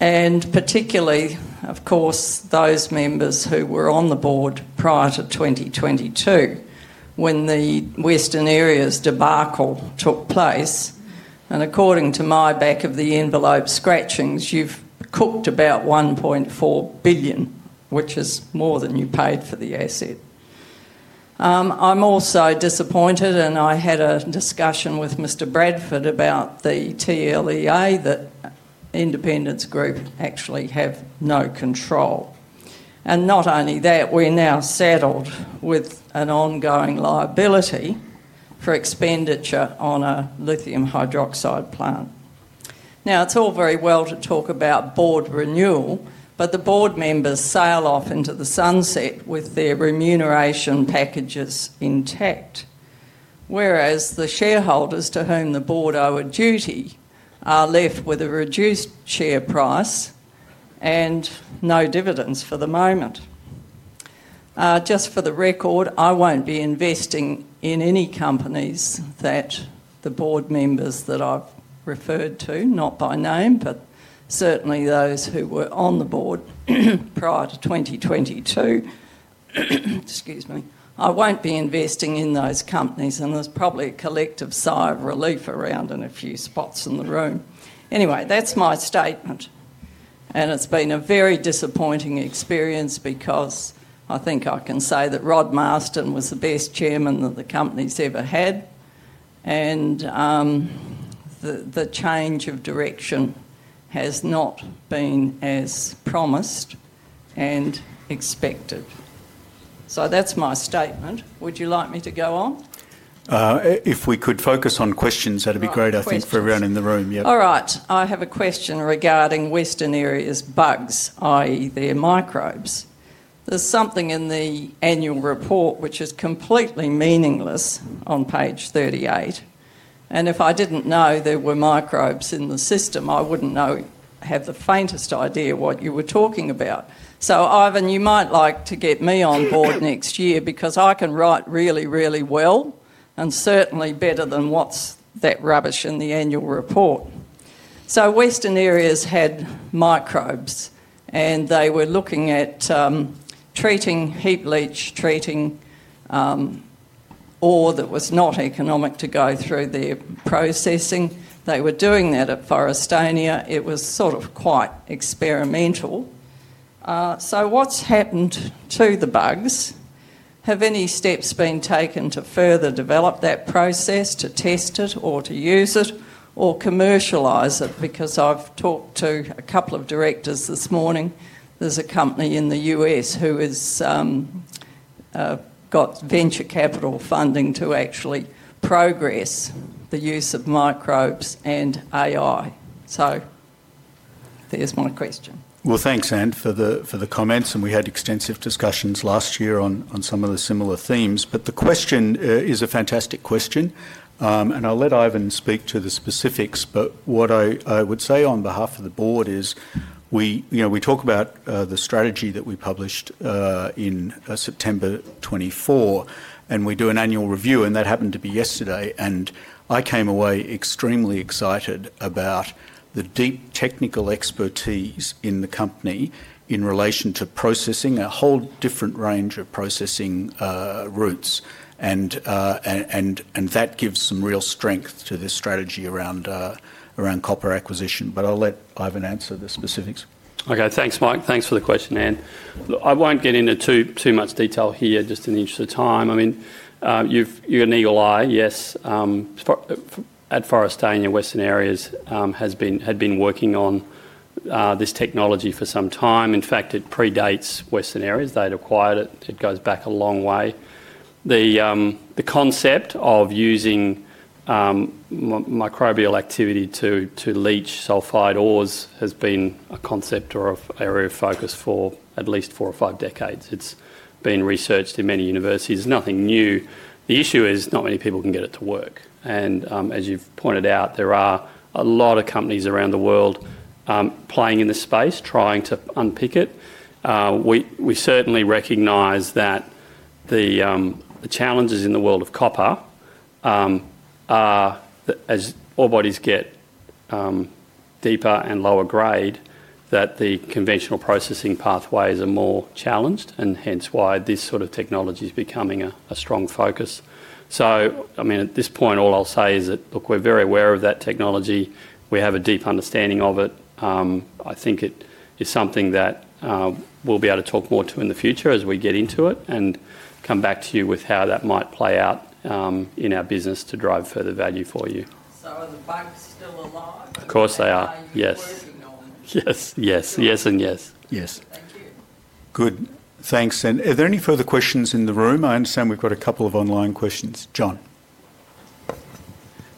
and particularly, of course, those members who were on the board prior to 2022 when the Western Areas debacle took place. According to my back-of-the-envelope scratchings, you've cooked about 1.4 billion, which is more than you paid for the asset. I'm also disappointed, and I had a discussion with Mr. Bradford about the TLEA that Independence Group actually have no control. Not only that, we're now saddled with an ongoing liability for expenditure on a lithium hydroxide plant. Now, it's all very well to talk about board renewal, but the board members sail off into the sunset with their remuneration packages intact, whereas the shareholders to whom the board owe a duty are left with a reduced share price and no dividends for the moment. Just for the record, I won't be investing in any companies that the board members that I've referred to, not by name, but certainly those who were on the board prior to 2022. Excuse me. I won't be investing in those companies. There's probably a collective sigh of relief around in a few spots in the room. Anyway, that's my statement. It's been a very disappointing experience because I think I can say that Rod Marston was the best chairman that the company's ever had. The change of direction has not been as promised and expected. That's my statement. Would you like me to go on? If we could focus on questions, that'd be great, I think, for everyone in the room. Yeah. All right. I have a question regarding Western Areas bugs, i.e., their microbes. There's something in the annual report which is completely meaningless on page 38. And if I didn't know there were microbes in the system, I wouldn't have the faintest idea what you were talking about. Ivan, you might like to get me on board next year because I can write really, really well and certainly better than what's that rubbish in the annual report. Western Areas had microbes, and they were looking at treating heap leach, treating ore that was not economic to go through their processing. They were doing that at Forrestania. It was sort of quite experimental. What's happened to the bugs? Have any steps been taken to further develop that process, to test it, or to use it, or commercialize it? Because I've talked to a couple of directors this morning. There's a company in the U.S. who has got venture capital funding to actually progress the use of microbes and AI. So there's my question. Thank you, Anne, for the comments. We had extensive discussions last year on some of the similar themes. The question is a fantastic question. I'll let Ivan speak to the specifics. What I would say on behalf of the board is we talk about the strategy that we published in September 2024, and we do an annual review. That happened to be yesterday. I came away extremely excited about the deep technical expertise in the company in relation to processing a whole different range of processing routes. That gives some real strength to the strategy around copper acquisition. I'll let Ivan answer the specifics. Okay. Thanks, Mike. Thanks for the question, Anne. I won't get into too much detail here, just in the interest of time. I mean, you're an eagle eye, yes, at Forrestania. Western Areas had been working on this technology for some time. In fact, it predates Western Areas. They'd acquired it. It goes back a long way. The concept of using microbial activity to leach sulfide ores has been a concept or an area of focus for at least four or five decades. It's been researched in many universities. It's nothing new. The issue is not many people can get it to work. As you've pointed out, there are a lot of companies around the world playing in the space, trying to unpick it. We certainly recognize that the challenges in the world of copper, as ore bodies get deeper and lower grade, that the conventional processing pathways are more challenged, and hence why this sort of technology is becoming a strong focus. I mean, at this point, all I'll say is that, look, we're very aware of that technology. We have a deep understanding of it. I think it is something that we'll be able to talk more to in the future as we get into it and come back to you with how that might play out in our business to drive further value for you. Of course they are. Yes. Yes and yes. Yes. Thank you. Good. Thanks. Are there any further questions in the room? I understand we've got a couple of online questions. John.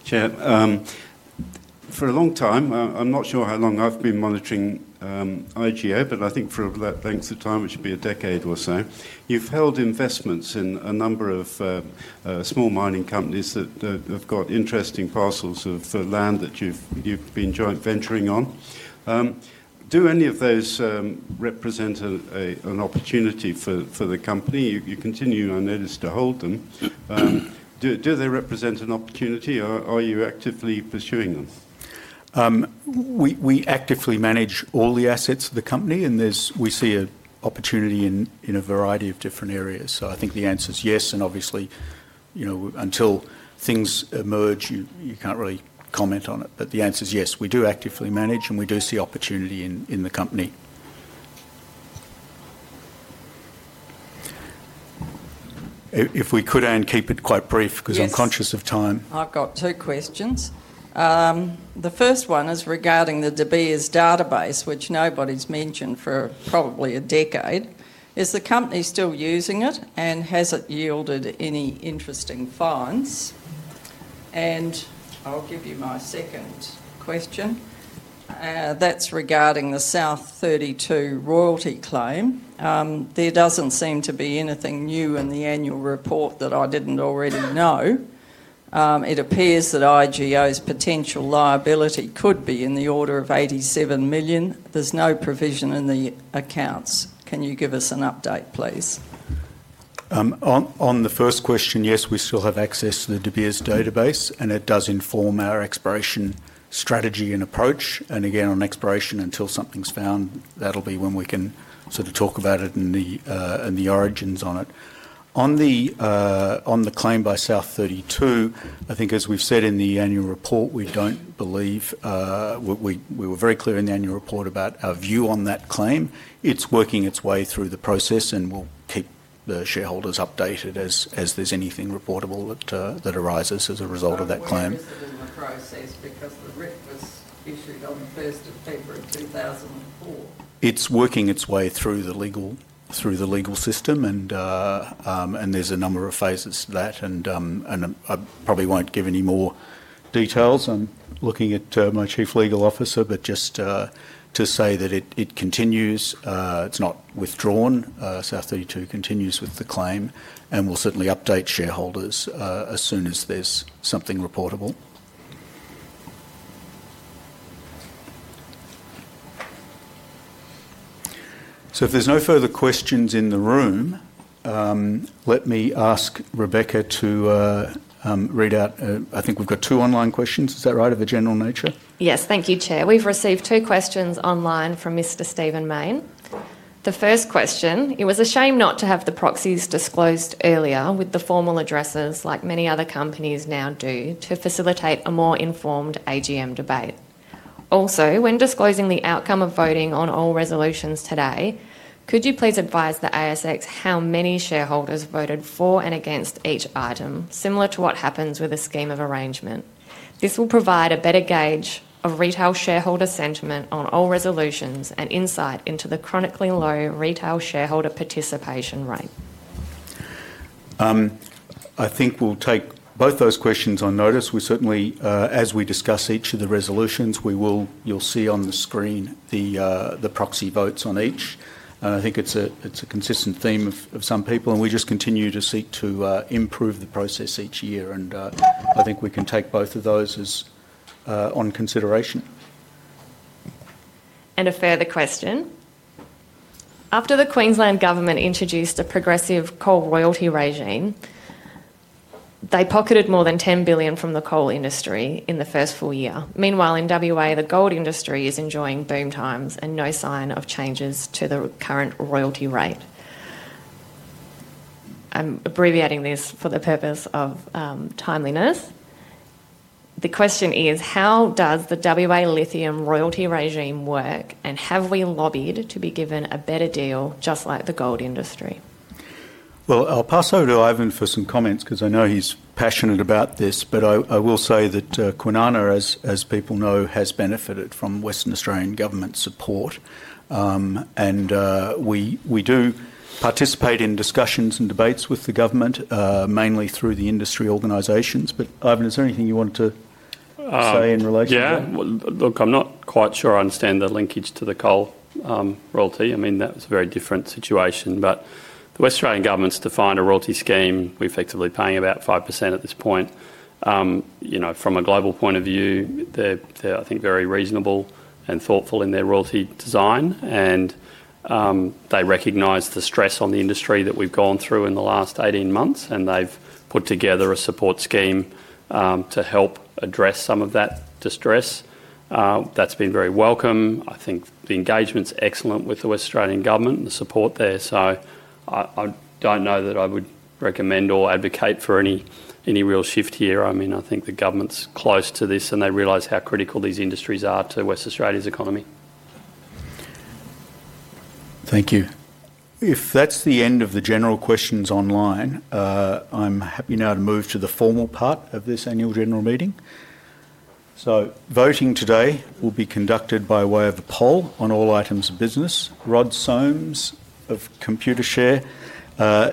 Yeah. For a long time, I'm not sure how long I've been monitoring IGO, but I think for that length of time, it should be a decade or so, you've held investments in a number of small mining companies that have got interesting parcels of land that you've been joint venturing on. Do any of those represent an opportunity for the company? You continue, I noticed, to hold them. Do they represent an opportunity? Are you actively pursuing them? We actively manage all the assets of the company. We see an opportunity in a variety of different areas. I think the answer's yes. Obviously, until things emerge, you can't really comment on it. The answer's yes. We do actively manage, and we do see opportunity in the company. If we could, Anne, keep it quite brief because I'm conscious of time. I've got two questions. The first one is regarding the De Beers database, which nobody's mentioned for probably a decade. Is the company still using it, and has it yielded any interesting finds? I'll give you my second question. That's regarding the South32 royalty claim. There doesn't seem to be anything new in the annual report that I didn't already know. It appears that IGO's potential liability could be in the order of 87 million. There's no provision in the accounts. Can you give us an update, please? On the first question, yes, we still have access to the De Beers database, and it does inform our exploration strategy and approach. Again, on exploration, until something's found, that'll be when we can sort of talk about it and the origins on it. On the claim by South32, I think, as we've said in the annual report, we don't believe we were very clear in the annual report about our view on that claim. It's working its way through the process, and we'll keep the shareholders updated as there's anything reportable that arises as a result of that claim. What happened to the process because the writ was issued on the 1st of February 2004? It's working its way through the legal system. There's a number of phases to that. I probably won't give any more details. I'm looking at my Chief Legal Officer. Just to say that it continues. It's not withdrawn. South32 continues with the claim. We'll certainly update shareholders as soon as there's something reportable. If there are no further questions in the room, let me ask Rebecca to read out, I think we have two online questions. Is that right, of a general nature? Yes. Thank you, Chair. We have received two questions online from Mr. Stephen Maine. The first question, it was a shame not to have the proxies disclosed earlier with the formal addresses, like many other companies now do, to facilitate a more informed AGM debate. Also, when disclosing the outcome of voting on all resolutions today, could you please advise the ASX how many shareholders voted for and against each item, similar to what happens with a scheme of arrangement? This will provide a better gauge of retail shareholder sentiment on all resolutions and insight into the chronically low retail shareholder participation rate. I think we will take both those questions on notice. We certainly, as we discuss each of the resolutions, you'll see on the screen the proxy votes on each. I think it's a consistent theme of some people. We just continue to seek to improve the process each year. I think we can take both of those as on consideration. A further question. After the Queensland government introduced a progressive coal royalty regime, they pocketed more than $10 billion from the coal industry in the first full year. Meanwhile, in WA, the gold industry is enjoying boom times and no sign of changes to the current royalty rate. I'm abbreviating this for the purpose of timeliness. The question is, how does the WA lithium royalty regime work, and have we lobbied to be given a better deal, just like the gold industry? I'll pass over to Ivan for some comments because I know he's passionate about this. I will say that Kwinana, as people know, has benefited from Western Australian government support. We do participate in discussions and debates with the government, mainly through the industry organizations. Ivan, is there anything you wanted to say in relation to that? Yeah. Look, I'm not quite sure I understand the linkage to the coal royalty. I mean, that was a very different situation. The Western Australian government's defined a royalty scheme. We're effectively paying about 5% at this point. From a global point of view, they're, I think, very reasonable and thoughtful in their royalty design. They recognize the stress on the industry that we've gone through in the last 18 months. They've put together a support scheme to help address some of that distress. That's been very welcome. I think the engagement's excellent with the Western Australian government and the support there. I don't know that I would recommend or advocate for any real shift here. I mean, I think the government's close to this, and they realize how critical these industries are to Western Australia's economy. Thank you. If that's the end of the general questions online, I'm happy now to move to the formal part of this annual general meeting. Voting today will be conducted by way of a poll on all items of business. Rod Soames of ComputerShare,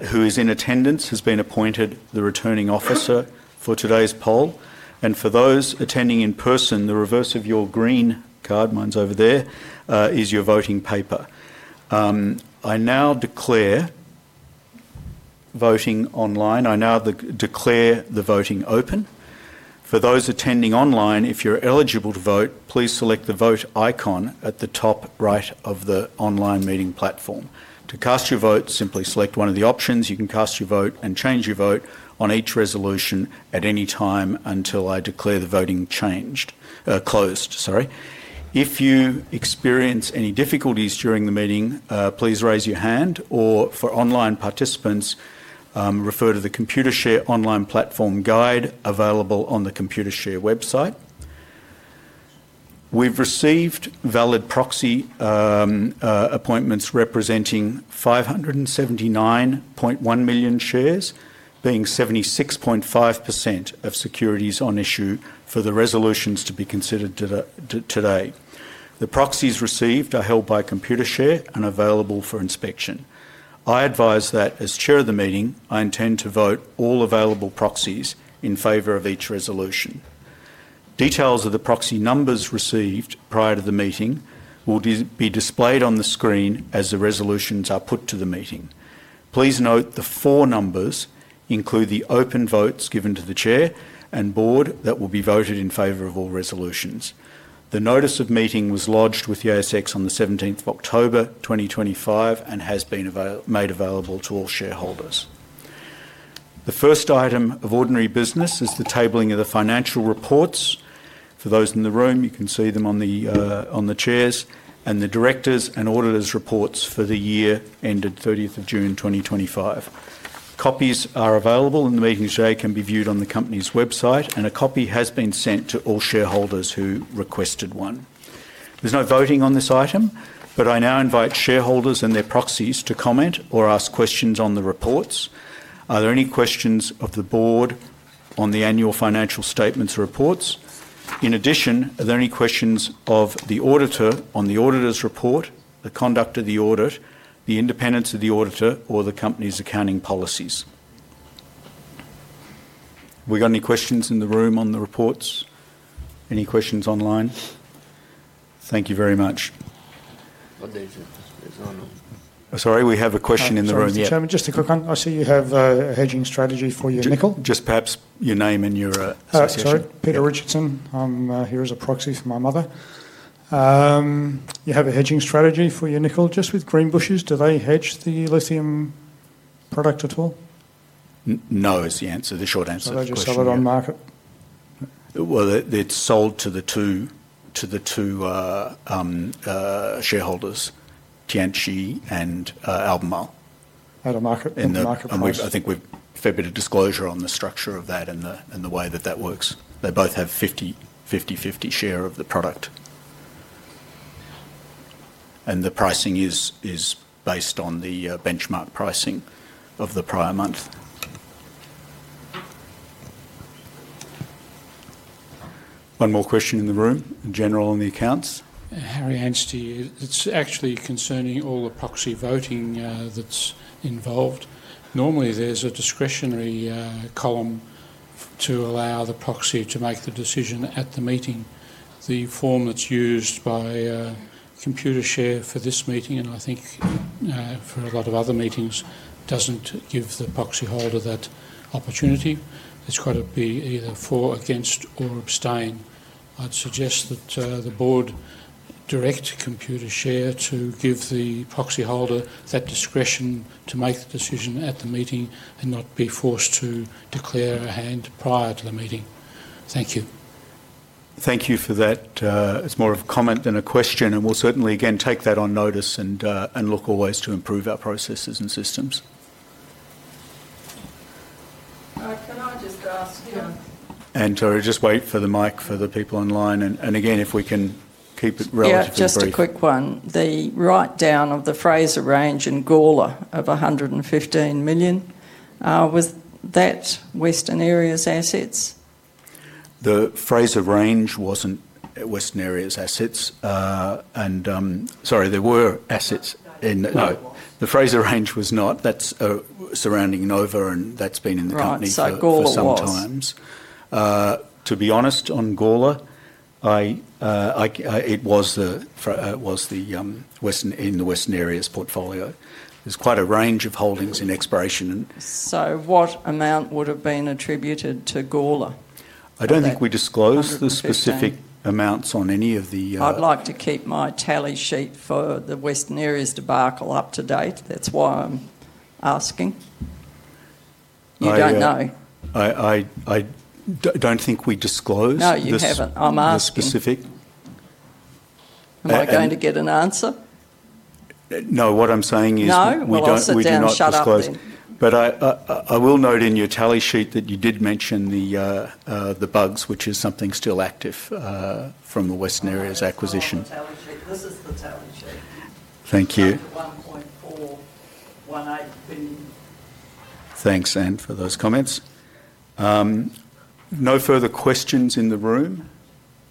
who is in attendance, has been appointed the returning officer for today's poll. For those attending in person, the reverse of your green card—mine's over there—is your voting paper. I now declare voting online. I now declare the voting open. For those attending online, if you're eligible to vote, please select the vote icon at the top right of the online meeting platform. To cast your vote, simply select one of the options. You can cast your vote and change your vote on each resolution at any time until I declare the voting closed. Sorry. If you experience any difficulties during the meeting, please raise your hand. For online participants, refer to the ComputerShare online platform guide available on the ComputerShare website. We've received valid proxy appointments representing 579.1 million shares, being 76.5% of securities on issue for the resolutions to be considered today. The proxies received are held by ComputerShare and available for inspection. I advise that, as Chair of the meeting, I intend to vote all available proxies in favor of each resolution. Details of the proxy numbers received prior to the meeting will be displayed on the screen as the resolutions are put to the meeting. Please note the four numbers include the open votes given to the Chair and Board that will be voted in favor of all resolutions. The notice of meeting was lodged with the ASX on the 17th of October 2025 and has been made available to all shareholders. The first item of ordinary business is the tabling of the financial reports. For those in the room, you can see them on the chairs, and the directors' and auditors' reports for the year ended 30th of June 2025. Copies are available, and the meeting today can be viewed on the company's website. A copy has been sent to all shareholders who requested one. There's no voting on this item, but I now invite shareholders and their proxies to comment or ask questions on the reports. Are there any questions of the Board on the annual financial statements reports? In addition, are there any questions of the auditor on the auditor's report, the conduct of the audit, the independence of the auditor, or the company's accounting policies? We've got any questions in the room on the reports? Any questions online? Thank you very much. Sorry. We have a question in the room. Yes, Chairman. Just a quick one. I see you have a hedging strategy for your nickel. Just perhaps your name and your association. Oh, sorry. Peter Richardson. I'm here as a proxy for my mother. You have a hedging strategy for your nickel just with Greenbushes. Do they hedge the lithium product at all? No, is the answer. The short answer. They just have it on market. It is sold to the two shareholders, Tianqi and Albemarle. I think we have a fair bit of disclosure on the structure of that and the way that works. They both have 50/50 share of the product. The pricing is based on the benchmark pricing of the prior month. One more question in the room, general on the accounts. Harry Anstey, it is actually concerning all the proxy voting that is involved. Normally, there is a discretionary column to allow the proxy to make the decision at the meeting. The form that is used by ComputerShare for this meeting, and I think for a lot of other meetings, does not give the proxy holder that opportunity. It has to be either for, against, or abstain. I'd suggest that the Board direct ComputerShare to give the proxy holder that discretion to make the decision at the meeting and not be forced to declare a hand prior to the meeting. Thank you. Thank you for that. It's more of a comment than a question. We will certainly, again, take that on notice and look always to improve our processes and systems. Can I just ask? Sorry, just wait for the mic for the people online. If we can keep it relatively short. Yeah, just a quick one. The write-down of the Fraser Range and Gawler of 115 million, was that Western Areas assets? The Fraser Range was not Western Areas assets. Sorry, there were assets in—no, the Fraser Range was not. That's surrounding Nova, and that's been in the company for some time. To be honest, on Gawler, it was in the Western Areas portfolio. There's quite a range of holdings in exploration. So what amount would have been attributed to Gawler? I don't think we disclosed the specific amounts. I'd like to keep my tally sheet for the Western Areas debacle up to date. That's why I'm asking. You don't know? I don't think we disclosed the specific. No, you haven't. I'm asking. Am I going to get an answer? No, what I'm saying is we do not disclose. But I will note in your tally sheet that you did mention the bugs, which is something still active from the Western Areas acquisition. This is the tally sheet. Thank you. Thanks, Anne, for those comments. No further questions in the room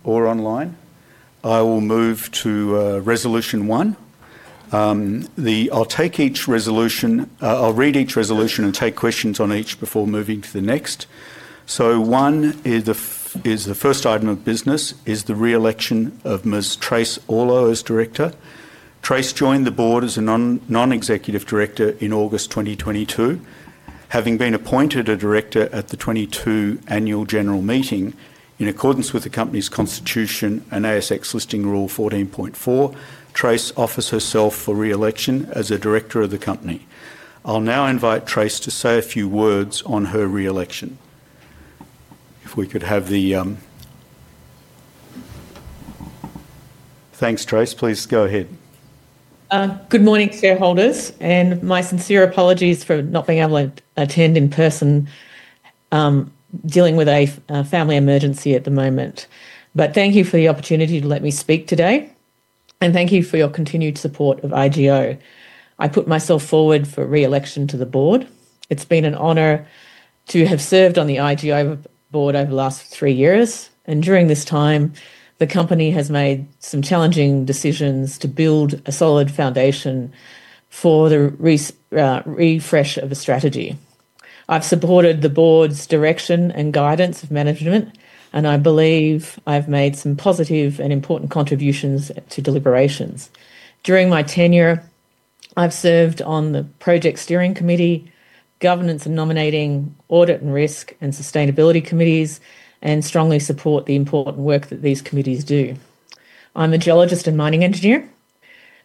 or online. I will move to resolution one. I'll read each resolution and take questions on each before moving to the next. One is the first item of business is the re-election of Ms. Trace Arlaud as director. Trace joined the board as a non-executive director in August 2022. Having been appointed a director at the 2022 annual general meeting, in accordance with the company's constitution and ASX listing rule 14.4, Trace offers herself for re-election as a director of the company. I'll now invite Trace to say a few words on her re-election. If we could have the thanks, Trace. Please go ahead. Good morning, shareholders. My sincere apologies for not being able to attend in person, dealing with a family emergency at the moment. Thank you for the opportunity to let me speak today. Thank you for your continued support of IGO. I put myself forward for re-election to the board. It's been an honor to have served on the IGO board over the last three years. During this time, the company has made some challenging decisions to build a solid foundation for the refresh of a strategy. I've supported the board's direction and guidance of management, and I believe I've made some positive and important contributions to deliberations. During my tenure, I've served on the project steering committee, governance and nominating, audit and risk, and sustainability committees, and strongly support the important work that these committees do. I'm a geologist and mining engineer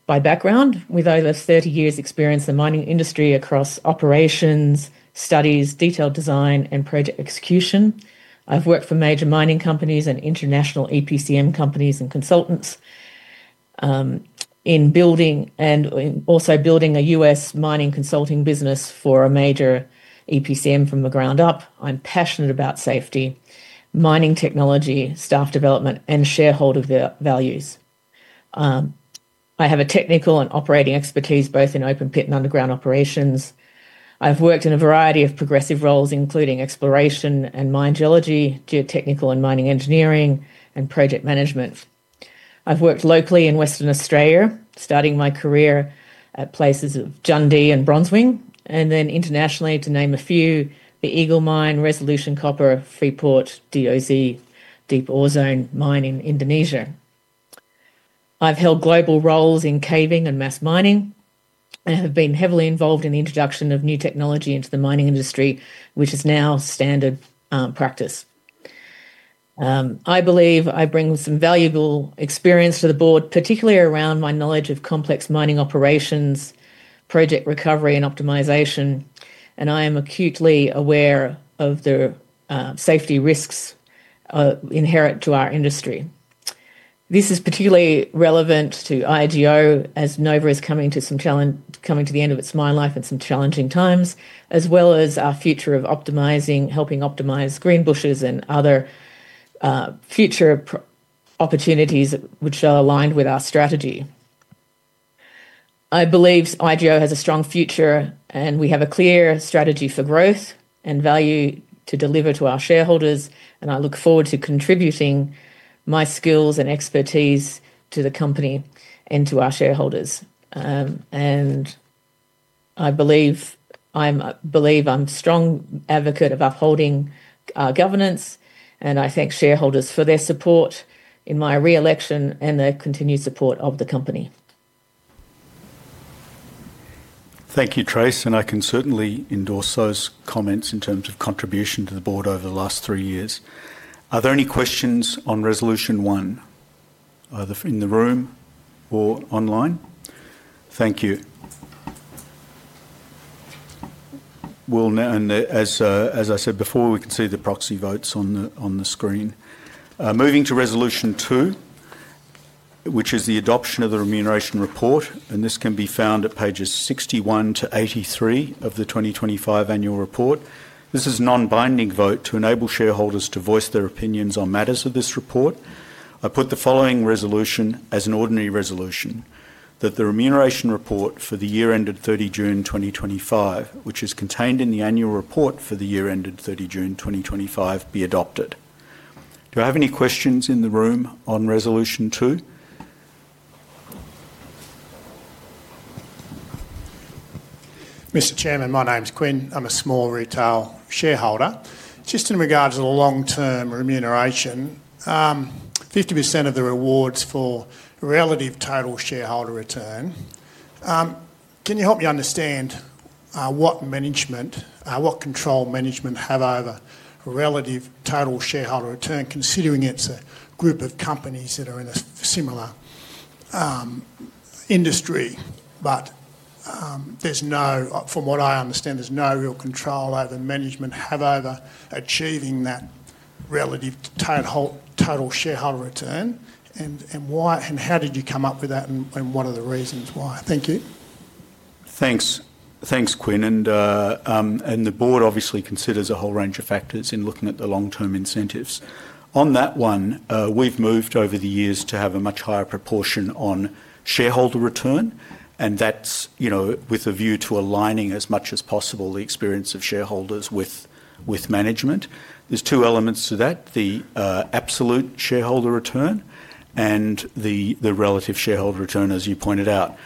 by background, with over 30 years' experience in the mining industry across operations, studies, detailed design, and project execution. I've worked for major mining companies and international EPCM companies and consultants in building and also building a U.S. mining consulting business for a major EPCM from the ground up. I'm passionate about safety, mining technology, staff development, and shareholder values. I have a technical and operating expertise both in open pit and underground operations. I've worked in a variety of progressive roles, including exploration and mine geology, geotechnical and mining engineering, and project management. I've worked locally in Western Australia, starting my career at places of Dundee and [Bronzewing], and then internationally, to name a few, the Eagle Mine, Resolution Copper, Freeport, DOZ, [Deep Ozone] Mine in Indonesia. I've held global roles in caving and mass mining and have been heavily involved in the introduction of new technology into the mining industry, which is now standard practice. I believe I bring some valuable experience to the board, particularly around my knowledge of complex mining operations, project recovery, and optimization. I am acutely aware of the safety risks inherent to our industry. This is particularly relevant to IGO as Nova is coming to the end of its mine life and some challenging times, as well as our future of helping optimize Greenbushes and other future opportunities which are aligned with our strategy. I believe IGO has a strong future, and we have a clear strategy for growth and value to deliver to our shareholders. I look forward to contributing my skills and expertise to the company and to our shareholders. I believe I'm a strong advocate of upholding governance. I thank shareholders for their support in my re-election and the continued support of the company. Thank you, Trace. I can certainly endorse those comments in terms of contribution to the board over the last three years. Are there any questions on resolution one either in the room or online? Thank you. As I said before, we can see the proxy votes on the screen. Moving to resolution two, which is the adoption of the remuneration report. This can be found at pages 61 to 83 of the 2025 annual report. This is a non-binding vote to enable shareholders to voice their opinions on matters of this report. I put the following resolution as an ordinary resolution: that the remuneration report for the year ended 30 June 2025, which is contained in the annual report for the year ended 30 June 2025, be adopted. Do I have any questions in the room on resolution two? Mr. Chairman, my name's Quinn. I'm a small retail shareholder. Just in regards to the long-term remuneration, 50% of the rewards for relative total shareholder return. Can you help me understand what control management have over relative total shareholder return, considering it is a group of companies that are in a similar industry? From what I understand, there is no real control management have over achieving that relative total shareholder return. How did you come up with that, and what are the reasons why? Thank you. Thanks, Quinn. The board obviously considers a whole range of factors in looking at the long-term incentives. On that one, we have moved over the years to have a much higher proportion on shareholder return. That is with a view to aligning as much as possible the experience of shareholders with management. There are two elements to that: the absolute shareholder return and the relative shareholder return, as you pointed out.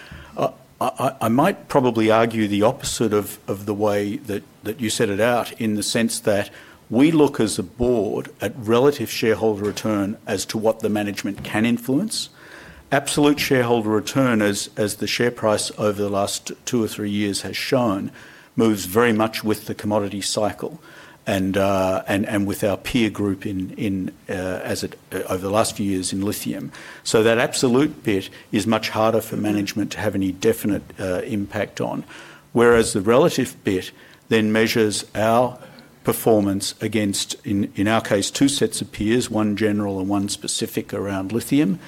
I might probably argue the opposite of the way that you set it out in the sense that we look as a board at relative shareholder return as to what the management can influence. Absolute shareholder return, as the share price over the last two or three years has shown, moves very much with the commodity cycle and with our peer group over the last few years in lithium. That absolute bit is much harder for management to have any definite impact on. Whereas the relative bit then measures our performance against, in our case, two sets of peers, one general and one specific around lithium.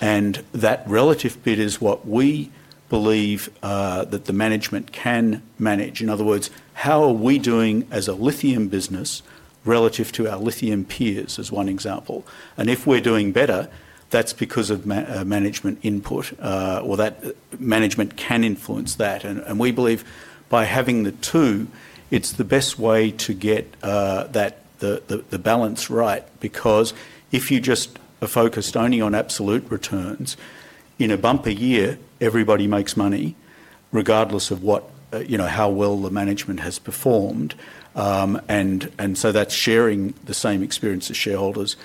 That relative bit is what we believe that the management can manage. In other words, how are we doing as a lithium business relative to our lithium peers, as one example. If we are doing better, that is because of management input, or that management can influence that. We believe by having the two, it is the best way to get the balance right. If you are just focused only on absolute returns, in a bumpy year, everybody makes money regardless of how well the management has performed. That is sharing the same experience as shareholders.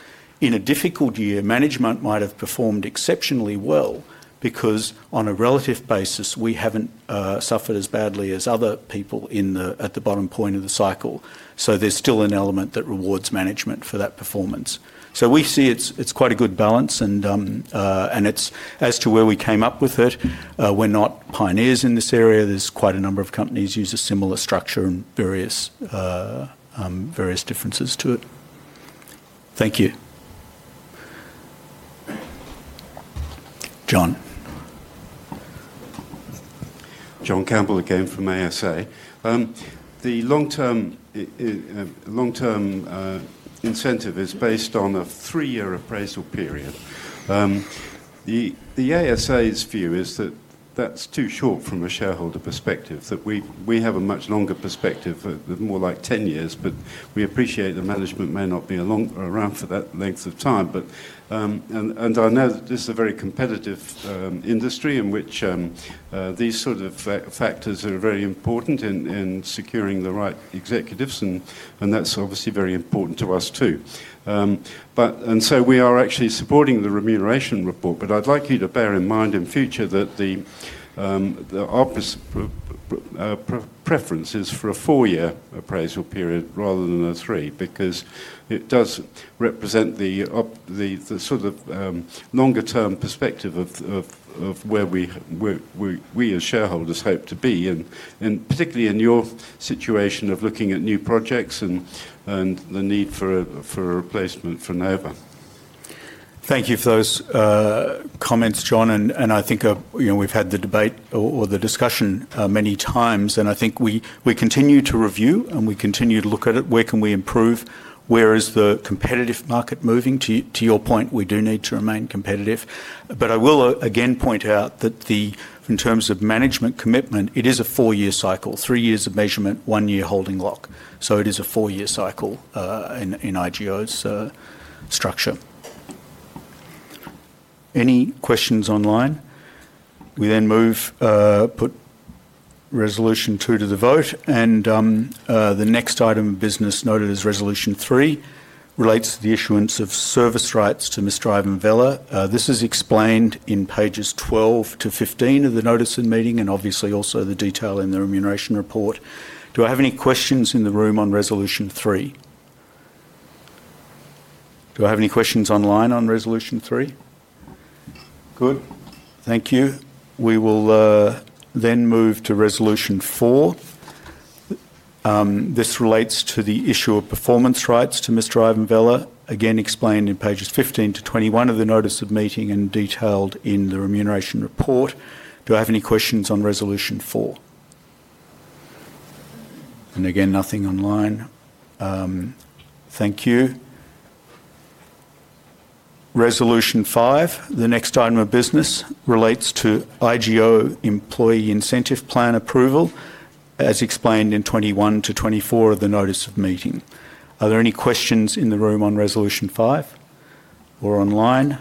In a difficult year, management might have performed exceptionally well because on a relative basis, we have not suffered as badly as other people at the bottom point of the cycle. There is still an element that rewards management for that performance. We see it is quite a good balance. As to where we came up with it, we are not pioneers in this area. There are quite a number of companies that use a similar structure and various differences to it. Thank you. John? John Campbell, ASA. The long-term incentive is based on a three-year appraisal period. The ASA's view is that that's too short from a shareholder perspective. We have a much longer perspective, more like 10 years. We appreciate the management may not be around for that length of time. I know that this is a very competitive industry in which these sort of factors are very important in securing the right executives. That's obviously very important to us too. We are actually supporting the remuneration report. I'd like you to bear in mind in future that the opposite preference is for a four-year appraisal period rather than a three, because it does represent the sort of longer-term perspective of where we as shareholders hope to be, and particularly in your situation of looking at new projects and the need for a replacement for Nova. Thank you for those comments, John. I think we've had the debate or the discussion many times. I think we continue to review, and we continue to look at it. Where can we improve? Where is the competitive market moving? To your point, we do need to remain competitive. I will again point out that in terms of management commitment, it is a four-year cycle: three years of measurement, one year holding lock. It is a four-year cycle in IGO's structure. Any questions online? We then put resolution two to the vote. The next item of business noted as resolution three relates to the issuance of service rights to Mr. Ivan Vella. This is explained in pages 12 to 15 of the notice and meeting, and obviously also the detail in the remuneration report. Do I have any questions in the room on resolution three? Do I have any questions online on resolution three? Good. Thank you. We will then move to resolution four. This relates to the issue of performance rights to Mr. Ivan Vella, again explained in pages 15 to 21 of the notice of meeting and detailed in the remuneration report. Do I have any questions on resolution four? Again, nothing online. Thank you. Resolution five, the next item of business relates to IGO employee incentive plan approval, as explained in 21 to 24 of the notice of meeting. Are there any questions in the room on resolution five or online?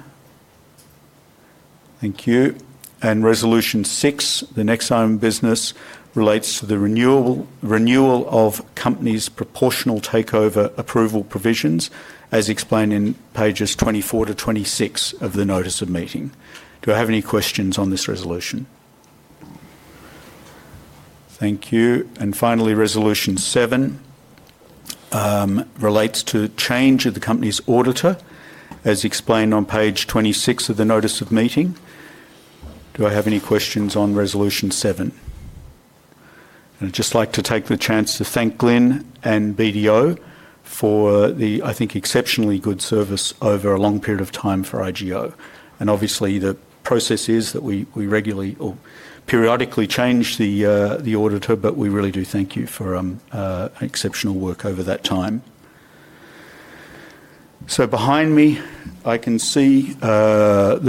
Thank you. Resolution six, the next item of business relates to the renewal of companies' proportional takeover approval provisions, as explained in pages 24 to 26 of the notice of meeting. Do I have any questions on this resolution? Thank you. Finally, resolution seven relates to change of the company's auditor, as explained on page 26 of the notice of meeting. Do I have any questions on resolution seven? I would just like to take the chance to thank Glyn and BDO for the, I think, exceptionally good service over a long period of time for IGO. Obviously, the process is that we regularly or periodically change the auditor, but we really do thank you for exceptional work over that time. So behind me, I can see a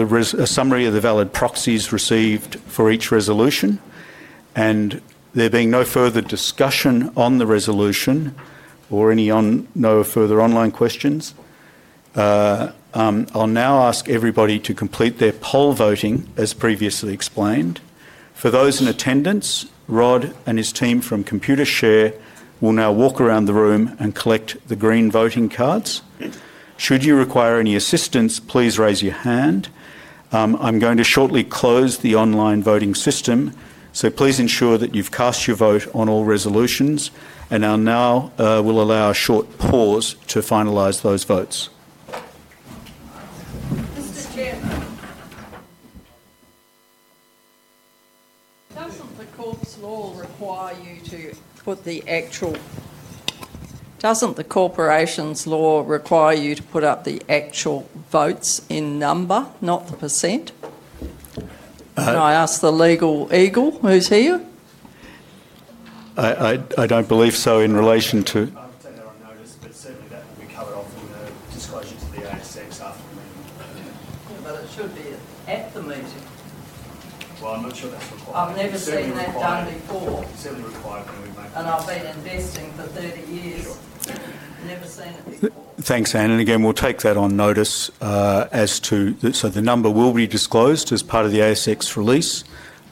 summary of the valid proxies received for each resolution. There being no further discussion on the resolution or any further online questions, I'll now ask everybody to complete their poll voting, as previously explained. For those in attendance, Rod and his team from ComputerShare will now walk around the room and collect the green voting cards. Should you require any assistance, please raise your hand. I'm going to shortly close the online voting system. Please ensure that you've cast your vote on all resolutions. I'll now allow a short pause to finalize those votes. Mr. Chair, doesn't the corporation's law require you to put up the actual votes in number, not the percent? Can I ask the legal eagle who's here? I don't believe so in relation to—I would say they're on notice, but certainly that will be covered off in the disclosure to the ASA after the meeting. It should be at the meeting. I'm not sure that's required. I've never seen that done before. It's only required when we make the decision. I've been investing for 30 years. I've never seen it before. Thanks, Anne. Again, we'll take that on notice as to—so the number will be disclosed as part of the ASX release.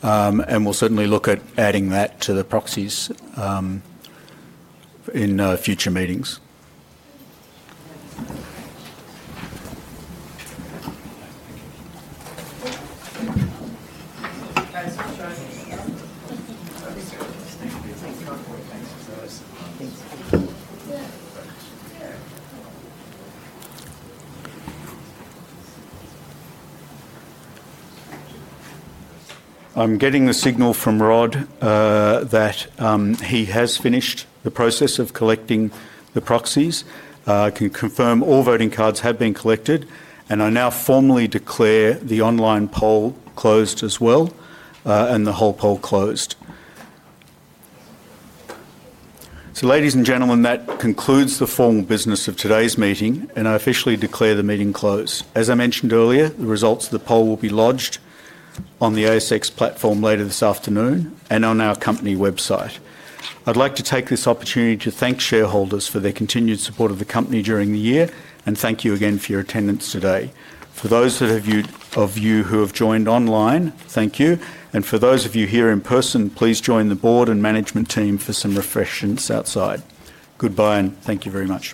We'll certainly look at adding that to the proxies in future meetings. I'm getting the signal from Rod that he has finished the process of collecting the proxies. I can confirm all voting cards have been collected. I now formally declare the online poll closed as well and the whole poll closed. Ladies and gentlemen, that concludes the formal business of today's meeting. I officially declare the meeting closed. As I mentioned earlier, the results of the poll will be lodged on the ASX platform later this afternoon and on our company website. I'd like to take this opportunity to thank shareholders for their continued support of the company during the year. Thank you again for your attendance today. For those of you who have joined online, thank you. For those of you here in person, please join the board and management team for some refreshments outside. Goodbye, and thank you very much.